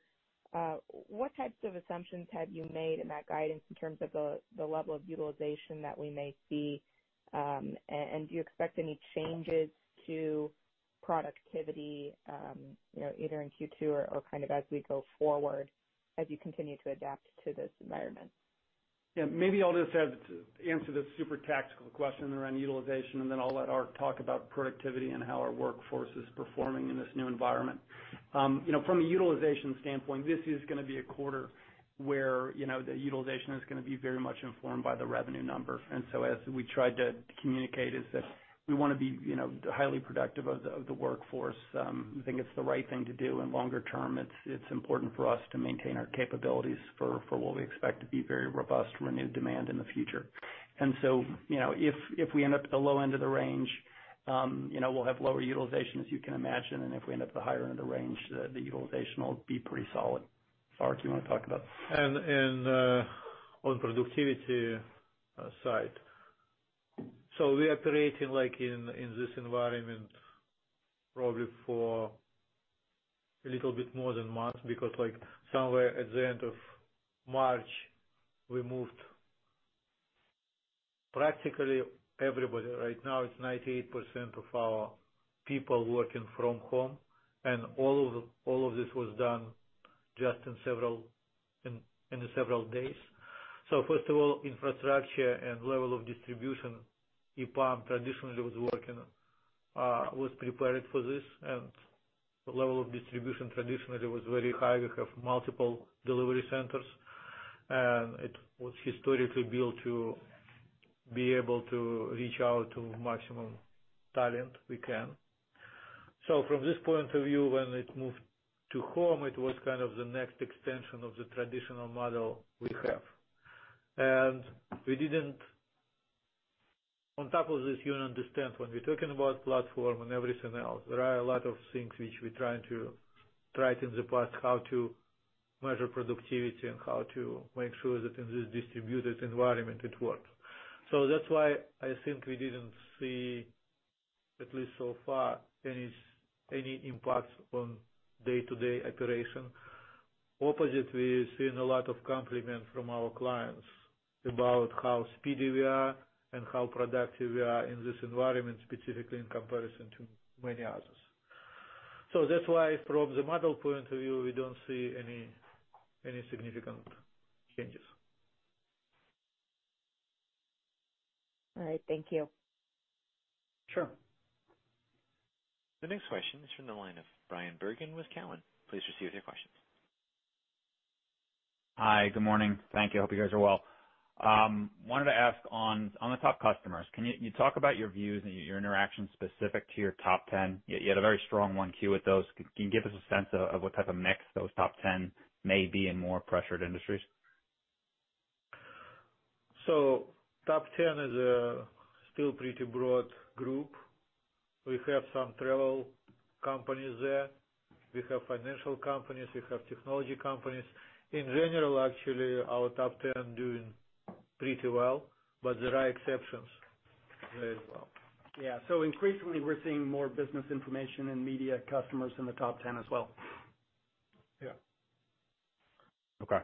what types of assumptions have you made in that guidance in terms of the level of utilization that we may see? Do you expect any changes to productivity either in Q2 or kind of as we go forward, as you continue to adapt to this environment? Maybe I'll just answer this super tactical question around utilization, and then I'll let Ark talk about productivity and how our workforce is performing in this new environment. From a utilization standpoint, this is going to be a quarter where the utilization is going to be very much informed by the revenue number. As we tried to communicate is that we want to be highly productive of the workforce. We think it's the right thing to do in longer term. It's important for us to maintain our capabilities for what we expect to be very robust renewed demand in the future. If we end up at the low end of the range, we'll have lower utilization as you can imagine. If we end up the higher end of range, the utilization will be pretty solid. Ark, you want to talk about that? On productivity side. We operating in this environment probably for a little bit more than a month, because somewhere at the end of March, we moved practically everybody. Right now, it's 98% of our people working from home, and all of this was done just in several days. First of all, infrastructure and level of distribution, EPAM traditionally was prepared for this, and the level of distribution traditionally was very high. We have multiple delivery centers, and it was historically built to be able to reach out to maximum talent we can. From this point of view, when it moved to home, it was the next extension of the traditional model we have. On top of this, you understand when we're talking about platform and everything else, there are a lot of things which we're trying to write in the past how to measure productivity and how to make sure that in this distributed environment it works. That's why I think we didn't see, at least so far, any impact on day-to-day operation. Opposite, we've seen a lot of compliment from our clients about how speedy we are and how productive we are in this environment, specifically in comparison to many others. That's why from the model point of view, we don't see any significant changes. All right. Thank you. Sure. The next question is from the line of Bryan Bergin with Cowen. Please proceed with your questions. Hi. Good morning. Thank you. Hope you guys are well. Wanted to ask on the top 10 customers, can you talk about your views and your interaction specific to your top 10? You had a very strong Q1 with those. Can you give us a sense of what type of mix those top 10 may be in more pressured industries? Top 10 is a still pretty broad group. We have some travel companies there. We have financial companies. We have technology companies. In general, actually, our top 10 doing pretty well, but there are exceptions there as well. Yeah. Increasingly, we're seeing more business information and media customers in the top 10 as well. Yeah. Okay.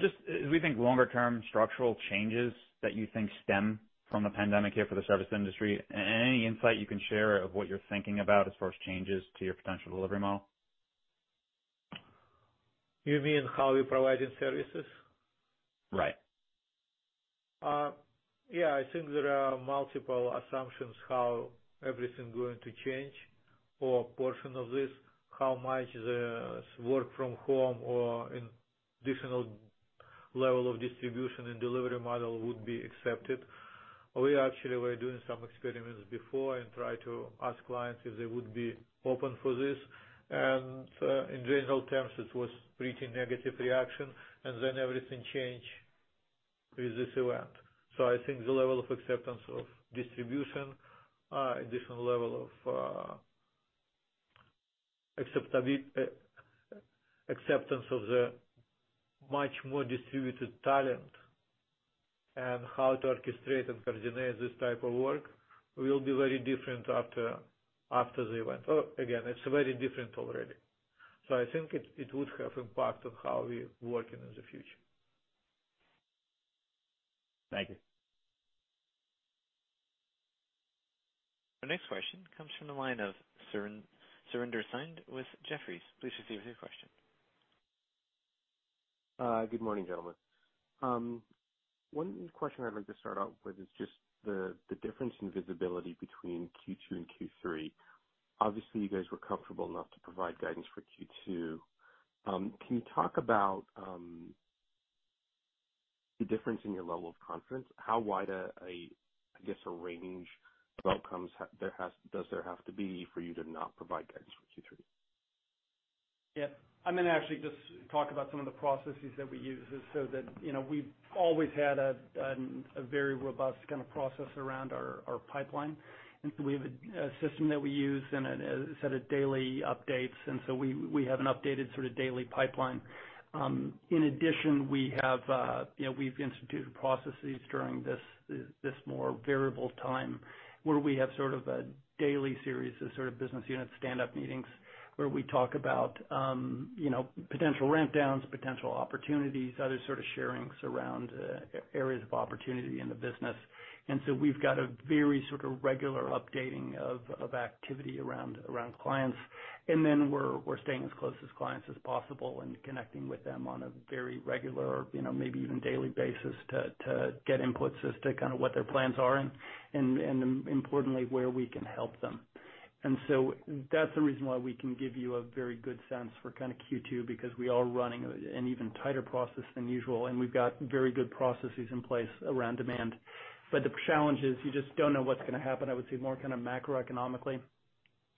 Just as we think longer term structural changes that you think stem from the pandemic here for the service industry, any insight you can share of what you're thinking about as far as changes to your potential delivery model? You mean how we providing services? Right. Yeah. I think there are multiple assumptions how everything going to change or portion of this, how much this work from home or additional level of distribution and delivery model would be accepted. We actually were doing some experiments before and try to ask clients if they would be open for this. In general terms, it was pretty negative reaction, and then everything change with this event. I think the level of acceptance of distribution, additional level of acceptance of the much more distributed talent and how to orchestrate and coordinate this type of work will be very different after the event. Again, it's very different already. I think it would have impact on how we working in the future. Thank you. Our next question comes from the line of Surinder Thind with Jefferies. Please proceed with your question. Good morning, gentlemen. One question I'd like to start out with is just the difference in visibility between Q2 and Q3. Obviously, you guys were comfortable enough to provide guidance for Q2. Can you talk about the difference in your level of confidence? How wide a, I guess, a range of outcomes does there have to be for you to not provide guidance for Q3? Yeah. I'm going to actually just talk about some of the processes that we use. That we've always had a very robust process around our pipeline. We have a system that we use and a set of daily updates, and so we have an updated daily pipeline. In addition, we've instituted processes during this more variable time where we have a daily series of business unit stand-up meetings where we talk about potential ramp downs, potential opportunities, other sort of sharings around areas of opportunity in the business. We've got a very regular updating of activity around clients. We're staying as close to clients as possible and connecting with them on a very regular, maybe even daily basis to get inputs as to what their plans are and importantly, where we can help them. That's the reason why we can give you a very good sense for Q2, because we are running an even tighter process than usual, and we've got very good processes in place around demand. The challenge is you just don't know what's going to happen, I would say, more macroeconomically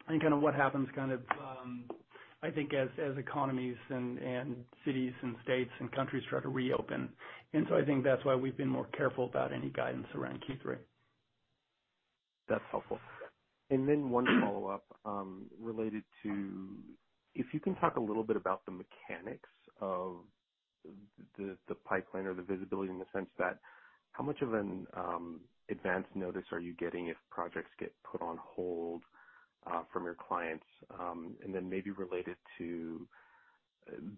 and what happens I think as economies and cities and states and countries try to reopen. I think that's why we've been more careful about any guidance around Q3. That's helpful. One follow-up related to if you can talk a little bit about the mechanics of the pipeline or the visibility in the sense that, how much of an advance notice are you getting if projects get put on hold from your clients? Maybe related to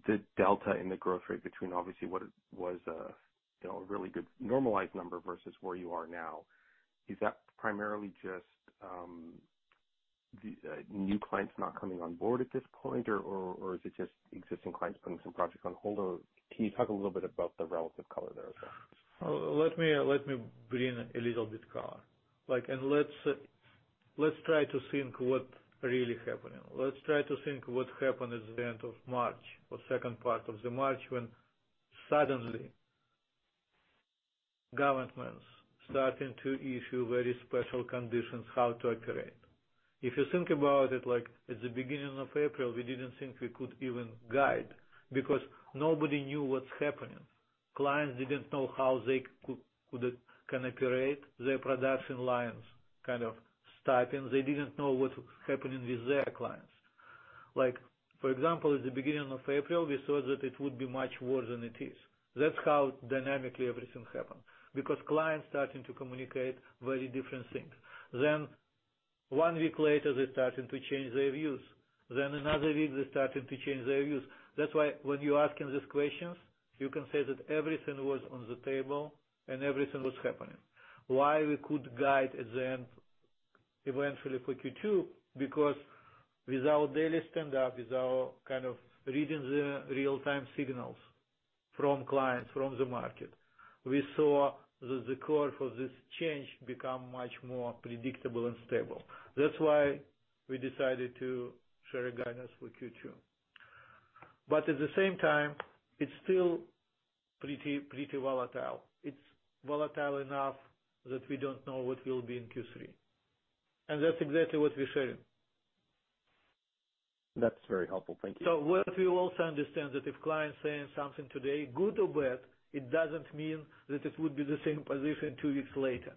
the delta in the growth rate between obviously what it was a really good normalized number versus where you are now. Is that primarily just new clients not coming on board at this point, or is it just existing clients putting some projects on hold? Can you talk a little bit about the relative color there as well? Let me bring a little bit color. Let's try to think what really happening. Let's try to think what happened at the end of March or second part of the March when suddenly governments starting to issue very special conditions how to operate. If you think about it, at the beginning of April, we didn't think we could even guide because nobody knew what's happening. Clients didn't know how they can operate their production lines, kind of stopping. They didn't know what's happening with their clients. For example, at the beginning of April, we thought that it would be much worse than it is. That's how dynamically everything happened, because clients starting to communicate very different things. One week later, they're starting to change their views. Another week, they're starting to change their views. That's why when you asking these questions, you can say that everything was on the table and everything was happening. Why we could guide at the end, eventually for Q2, because with our daily stand up, with our reading the real-time signals from clients, from the market, we saw that the core for this change become much more predictable and stable. That's why we decided to share a guidance for Q2. At the same time, it's still pretty volatile. It's volatile enough that we don't know what will be in Q3. That's exactly what we're sharing. That's very helpful. Thank you. What we also understand that if client saying something today, good or bad, it doesn't mean that it would be the same position two weeks later.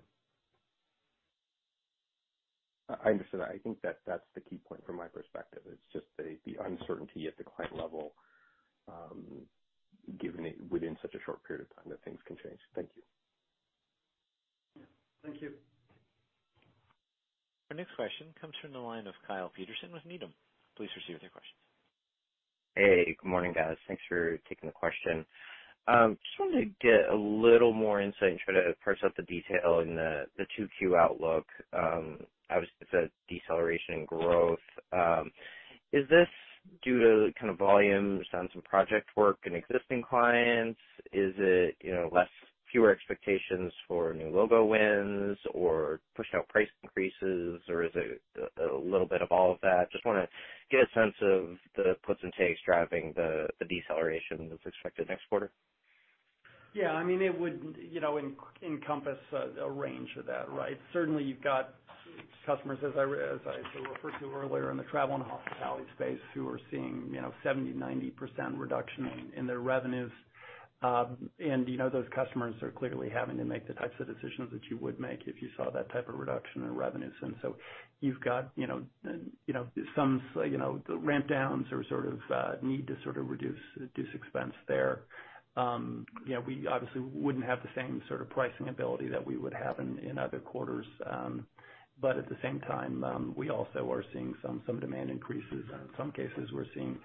I understand that. I think that's the key point from my perspective. It's just the uncertainty at the client level, given within such a short period of time that things can change. Thank you. Thank you. Our next question comes from the line of Kyle Peterson with Needham. Please proceed with your question. Hey, good morning, guys. Thanks for taking the question. Just wanted to get a little more insight and try to parse out the detail in the Q2 outlook. Obviously, it's a deceleration in growth. Is this due to volume or sounds from project work in existing clients? Is it fewer expectations for new logo wins or push out price increases, or is it a little bit of all of that? Just want to get a sense of the puts and takes driving the deceleration that's expected next quarter. Yeah. It would encompass a range of that, right? Certainly, you've got customers, as I referred to earlier, in the travel and hospitality space who are seeing 70%, 90% reduction in their revenues. Those customers are clearly having to make the types of decisions that you would make if you saw that type of reduction in revenues. You've got some ramp downs or need to sort of reduce expense there. We obviously wouldn't have the same sort of pricing ability that we would have in other quarters. At the same time, we also are seeing some demand increases. In some cases, we're seeing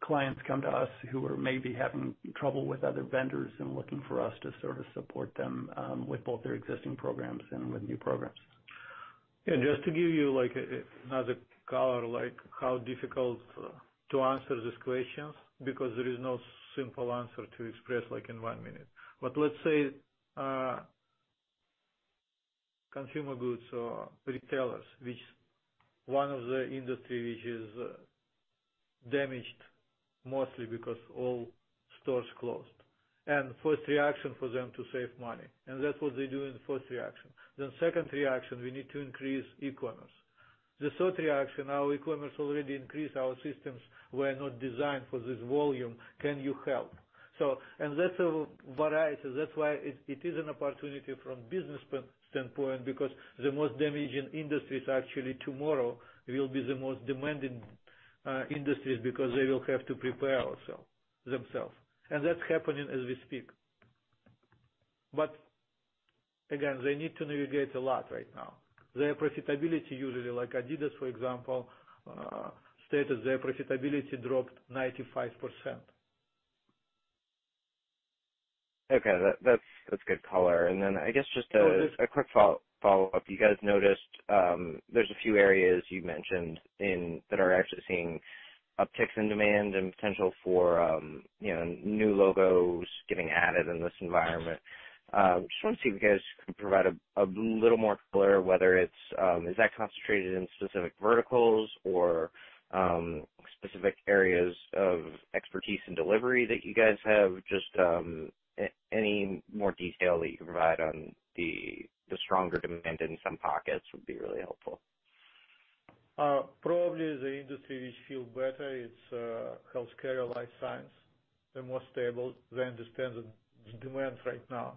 clients come to us who are maybe having trouble with other vendors and looking for us to service support them with both their existing programs and with new programs. Just to give you another color, how difficult to answer these questions, because there is no simple answer to express in one minute. Let's say consumer goods or retailers, which one of the industry which is damaged mostly because all stores closed. First reaction for them to save money, and that's what they do in the first reaction. Second reaction, we need to increase e-commerce. The third reaction, our e-commerce already increased. Our systems were not designed for this volume. Can you help? That's a variety. That's why it is an opportunity from business standpoint, because the most damaging industries actually tomorrow will be the most demanding industries because they will have to prepare themselves. That's happening as we speak. Again, they need to navigate a lot right now. Their profitability usually, like Adidas, for example, stated their profitability dropped 95%. Okay. That's good color. I guess just a quick follow-up. You guys noticed there's a few areas you mentioned that are actually seeing upticks in demand and potential for new logos getting added in this environment. Just want to see if you guys could provide a little more color whether is that concentrated in specific verticals or specific areas of expertise and delivery that you guys have? Just any more detail that you can provide on the stronger demand in some pockets would be really helpful. Probably the industry which feel better it's healthcare life science. They're more stable. They understand the demand right now.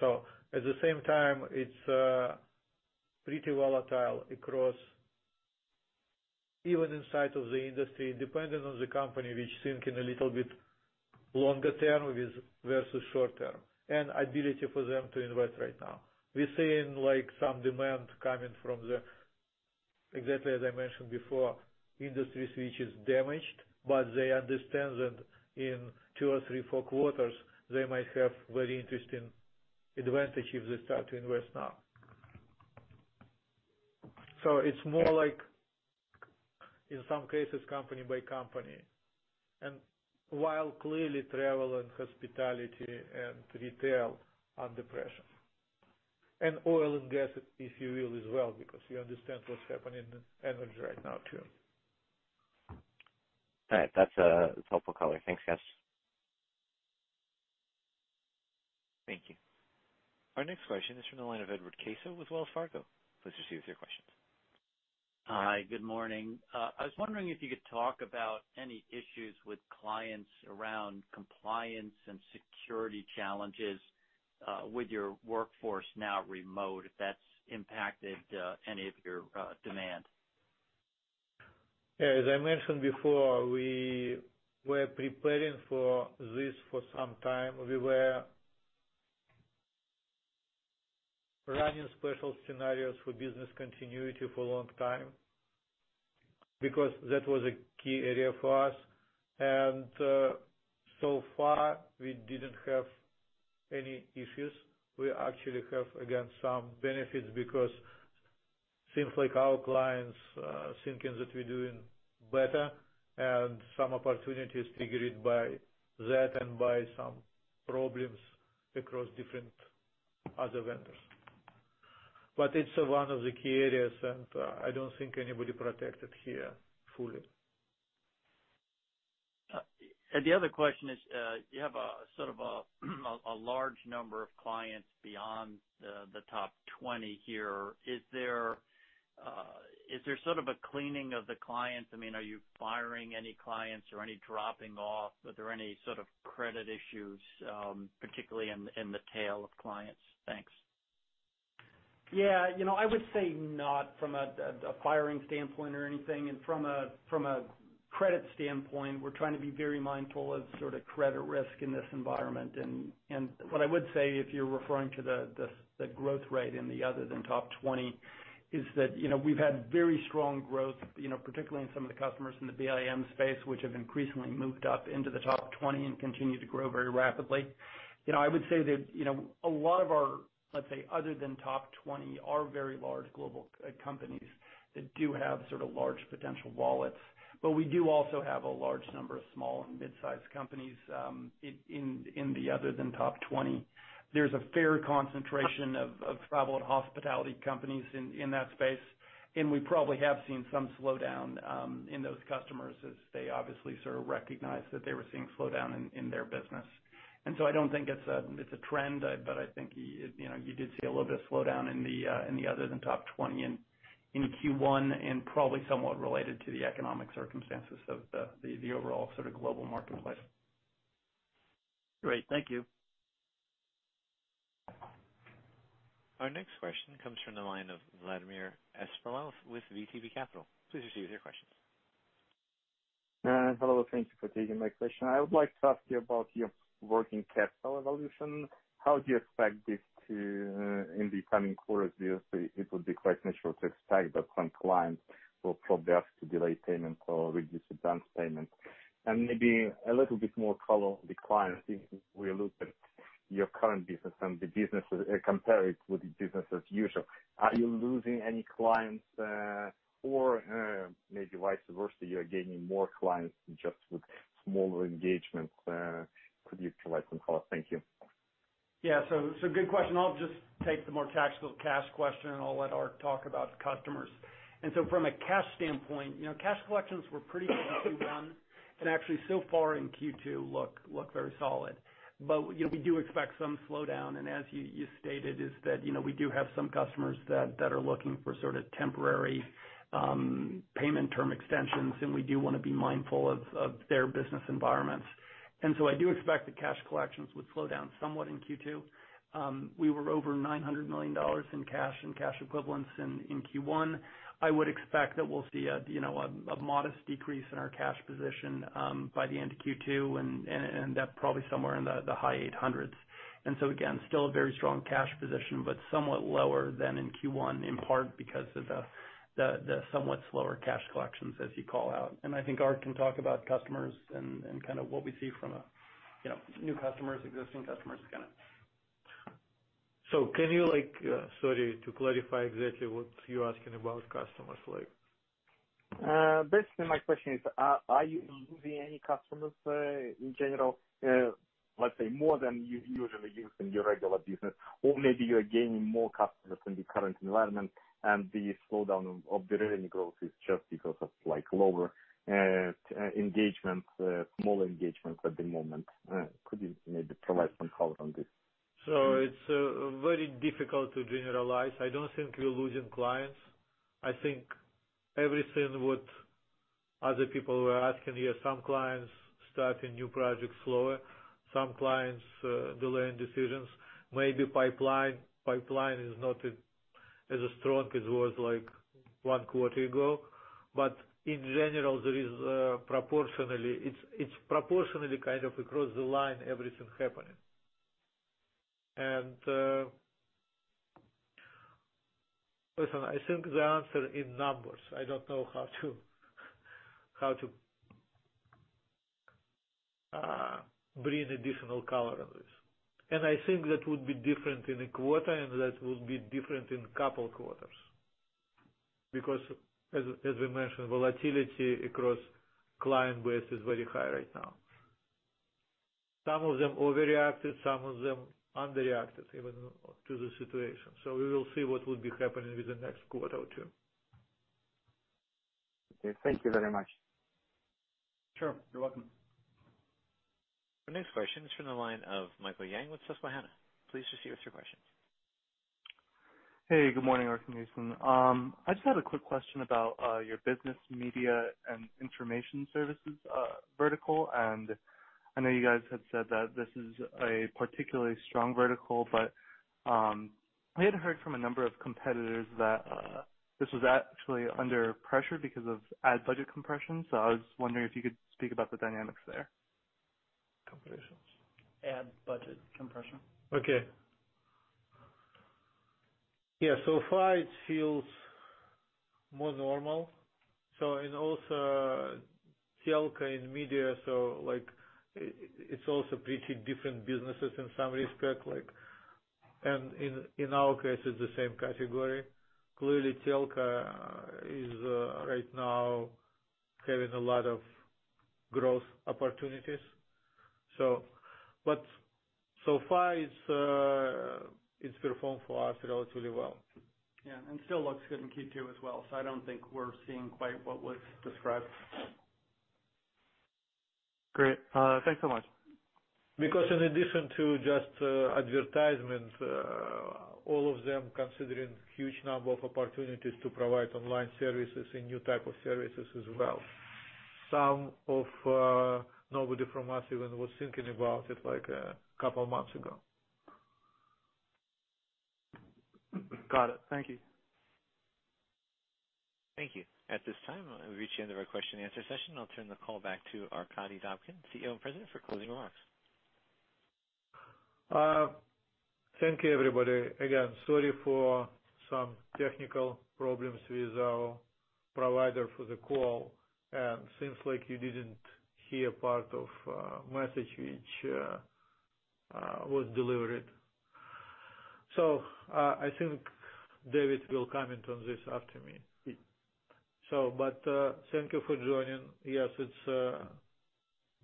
At the same time, it's pretty volatile across, even inside of the industry, depending on the company, which think in a little bit longer term versus shorter term, and ability for them to invest right now. We're seeing some demand coming from the, exactly as I mentioned before, industries which is damaged, but they understand that in two or three, four quarters, they might have very interesting advantage if they start to invest now. It's more like, in some cases, company by company. While clearly travel and hospitality and retail are under pressure, and oil and gas, if you will, as well, because you understand what's happening in energy right now, too. All right. That's helpful color. Thanks, guys. Thank you. Our next question is from the line of Edward Caso with Wells Fargo. Please proceed with your questions. Hi, good morning. I was wondering if you could talk about any issues with clients around compliance and security challenges with your workforce now remote, if that's impacted any of your demand. As I mentioned before, we were preparing for this for some time. We were running special scenarios for business continuity for a long time because that was a key area for us. So far, we didn't have any issues. We actually have, again, some benefits because seems like our clients thinking that we're doing better and some opportunities triggered by that and by some problems across different other vendors. It's one of the key areas, and I don't think anybody protected here fully. The other question is, you have a sort of a large number of clients beyond the top 20 here. Is there sort of a cleaning of the clients? I mean, are you firing any clients or any dropping off? Are there any sort of credit issues, particularly in the tail of clients? Thanks. Yeah. I would say not from a firing standpoint or anything. From a credit standpoint, we're trying to be very mindful of credit risk in this environment. What I would say, if you're referring to the growth rate in the other than top 20, is that we've had very strong growth, particularly in some of the customers in the BIM space, which have increasingly moved up into the top 20 and continue to grow very rapidly. I would say that a lot of our, let's say, other than top 20 are very large global companies that do have sort of large potential wallets. We do also have a large number of small and mid-size companies in the other than top 20. There's a fair concentration of travel and hospitality companies in that space, and we probably have seen some slowdown in those customers as they obviously sort of recognized that they were seeing slowdown in their business. I don't think it's a trend, but I think you did see a little bit of slowdown in the other than top 20 in Q1 and probably somewhat related to the economic circumstances of the overall sort of global marketplace. Great. Thank you. Our next question comes from the line of Vladimir Bespalov with VTB Capital. Please proceed with your questions. Hello. Thank you for taking my question. I would like to ask you about your working capital evolution. How do you expect this in the coming quarters, obviously, it will be quite natural to expect that some clients will probably ask to delay payment or reduce advance payment. Maybe a little bit more color on the clients if we look at your current business and compare it with the business as usual. Are you losing any clients, or maybe vice versa, you are gaining more clients just with smaller engagement? Could you provide some color? Thank you. Good question. I'll just take the more tactical cash question, and I'll let Ark talk about customers. From a cash standpoint, cash collections were pretty good in Q1, and actually so far in Q2 look very solid. We do expect some slowdown, and as you stated, is that we do have some customers that are looking for sort of temporary payment term extensions, and we do want to be mindful of their business environments. I do expect that cash collections would slow down somewhat in Q2. We were over $900 million in cash and cash equivalents in Q1. I would expect that we'll see a modest decrease in our cash position by the end of Q2 and end up probably somewhere in the high 800s. Again, still a very strong cash position, but somewhat lower than in Q1, in part because of the somewhat slower cash collections as you call out. I think Ark can talk about customers and kind of what we see from a new customers, existing customers kind of. Can you, sorry, to clarify exactly what you're asking about customers like? Basically, my question is, are you losing any customers in general, let's say more than you usually lose in your regular business? Or maybe you're gaining more customers in the current environment, and the slowdown of the revenue growth is just because of lower engagement, smaller engagement at the moment. Could you maybe provide some color on this? It's very difficult to generalize. I don't think we're losing clients. I think everything what other people were asking here, some clients starting new projects slower, some clients delaying decisions. Maybe pipeline is not as strong as it was one quarter ago. In general, it's proportionally kind of across the line, everything happening. Listen, I think the answer in numbers, I don't know how to bring additional color in this. I think that would be different in a quarter, and that would be different in a couple quarters. Because as we mentioned, volatility across client base is very high right now. Some of them overreacted, some of them underreacted even to the situation. We will see what would be happening with the next quarter or two. Okay. Thank you very much. Sure. You're welcome. Our next question is from the line of Michael Yang with Susquehanna. Please proceed with your questions. Hey, good morning, Ark and Jason. I just had a quick question about your business, media, and information services vertical. I know you guys had said that this is a particularly strong vertical, but we had heard from a number of competitors that this was actually under pressure because of ad budget compression. I was wondering if you could speak about the dynamics there? Compressions? ad budget compression. Okay. Yeah, so far it feels more normal. Also Telco in media, so it's also pretty different businesses in some respect, and in our case it's the same category. Clearly, Telco is right now having a lot of growth opportunities. So far it's performed for us relatively well. Still looks good in Q2 as well. I don't think we're seeing quite what was described. Great. Thanks so much. In addition to just advertisement, all of them considering huge number of opportunities to provide online services and new type of services as well. Nobody from us even was thinking about it a couple of months ago. Got it. Thank you. Thank you. At this time, we've reached the end of our question and answer session. I'll turn the call back to Arkadiy Dobkin, CEO and President, for closing remarks. Thank you, everybody. Again, sorry for some technical problems with our provider for the call, seems like you didn't hear part of message which was delivered. I think David will comment on this after me. Yeah. Thank you for joining. Yes, it's a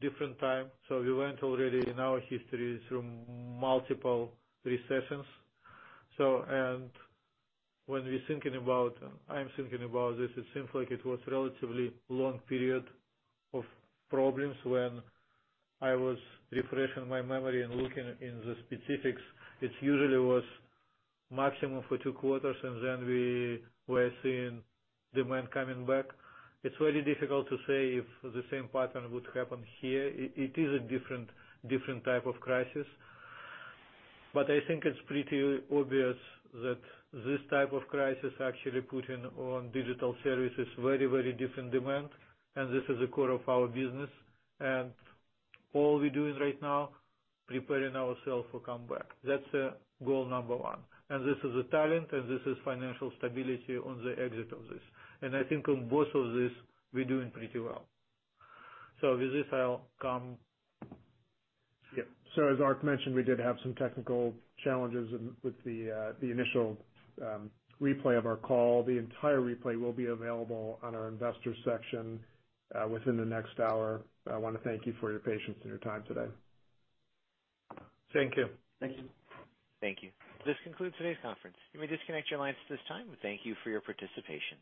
different time, so we went already in our history through multiple recessions. When we're thinking about, I'm thinking about this, it seems like it was relatively long period of problems when I was refreshing my memory and looking in the specifics. It usually was maximum for two quarters, and then we were seeing demand coming back. It's very difficult to say if the same pattern would happen here. It is a different type of crisis. I think it's pretty obvious that this type of crisis actually putting on digital services very different demand, and this is the core of our business. All we're doing right now, preparing ourself for comeback. That's goal number one. This is a talent, and this is financial stability on the exit of this. I think on both of these, we're doing pretty well. With this, I'll come. Yeah. As Ark mentioned, we did have some technical challenges with the initial replay of our call. The entire replay will be available on our investor section within the next hour. I want to thank you for your patience and your time today. Thank you. Thank you. Thank you. This concludes today's conference. You may disconnect your lines at this time. Thank you for your participation.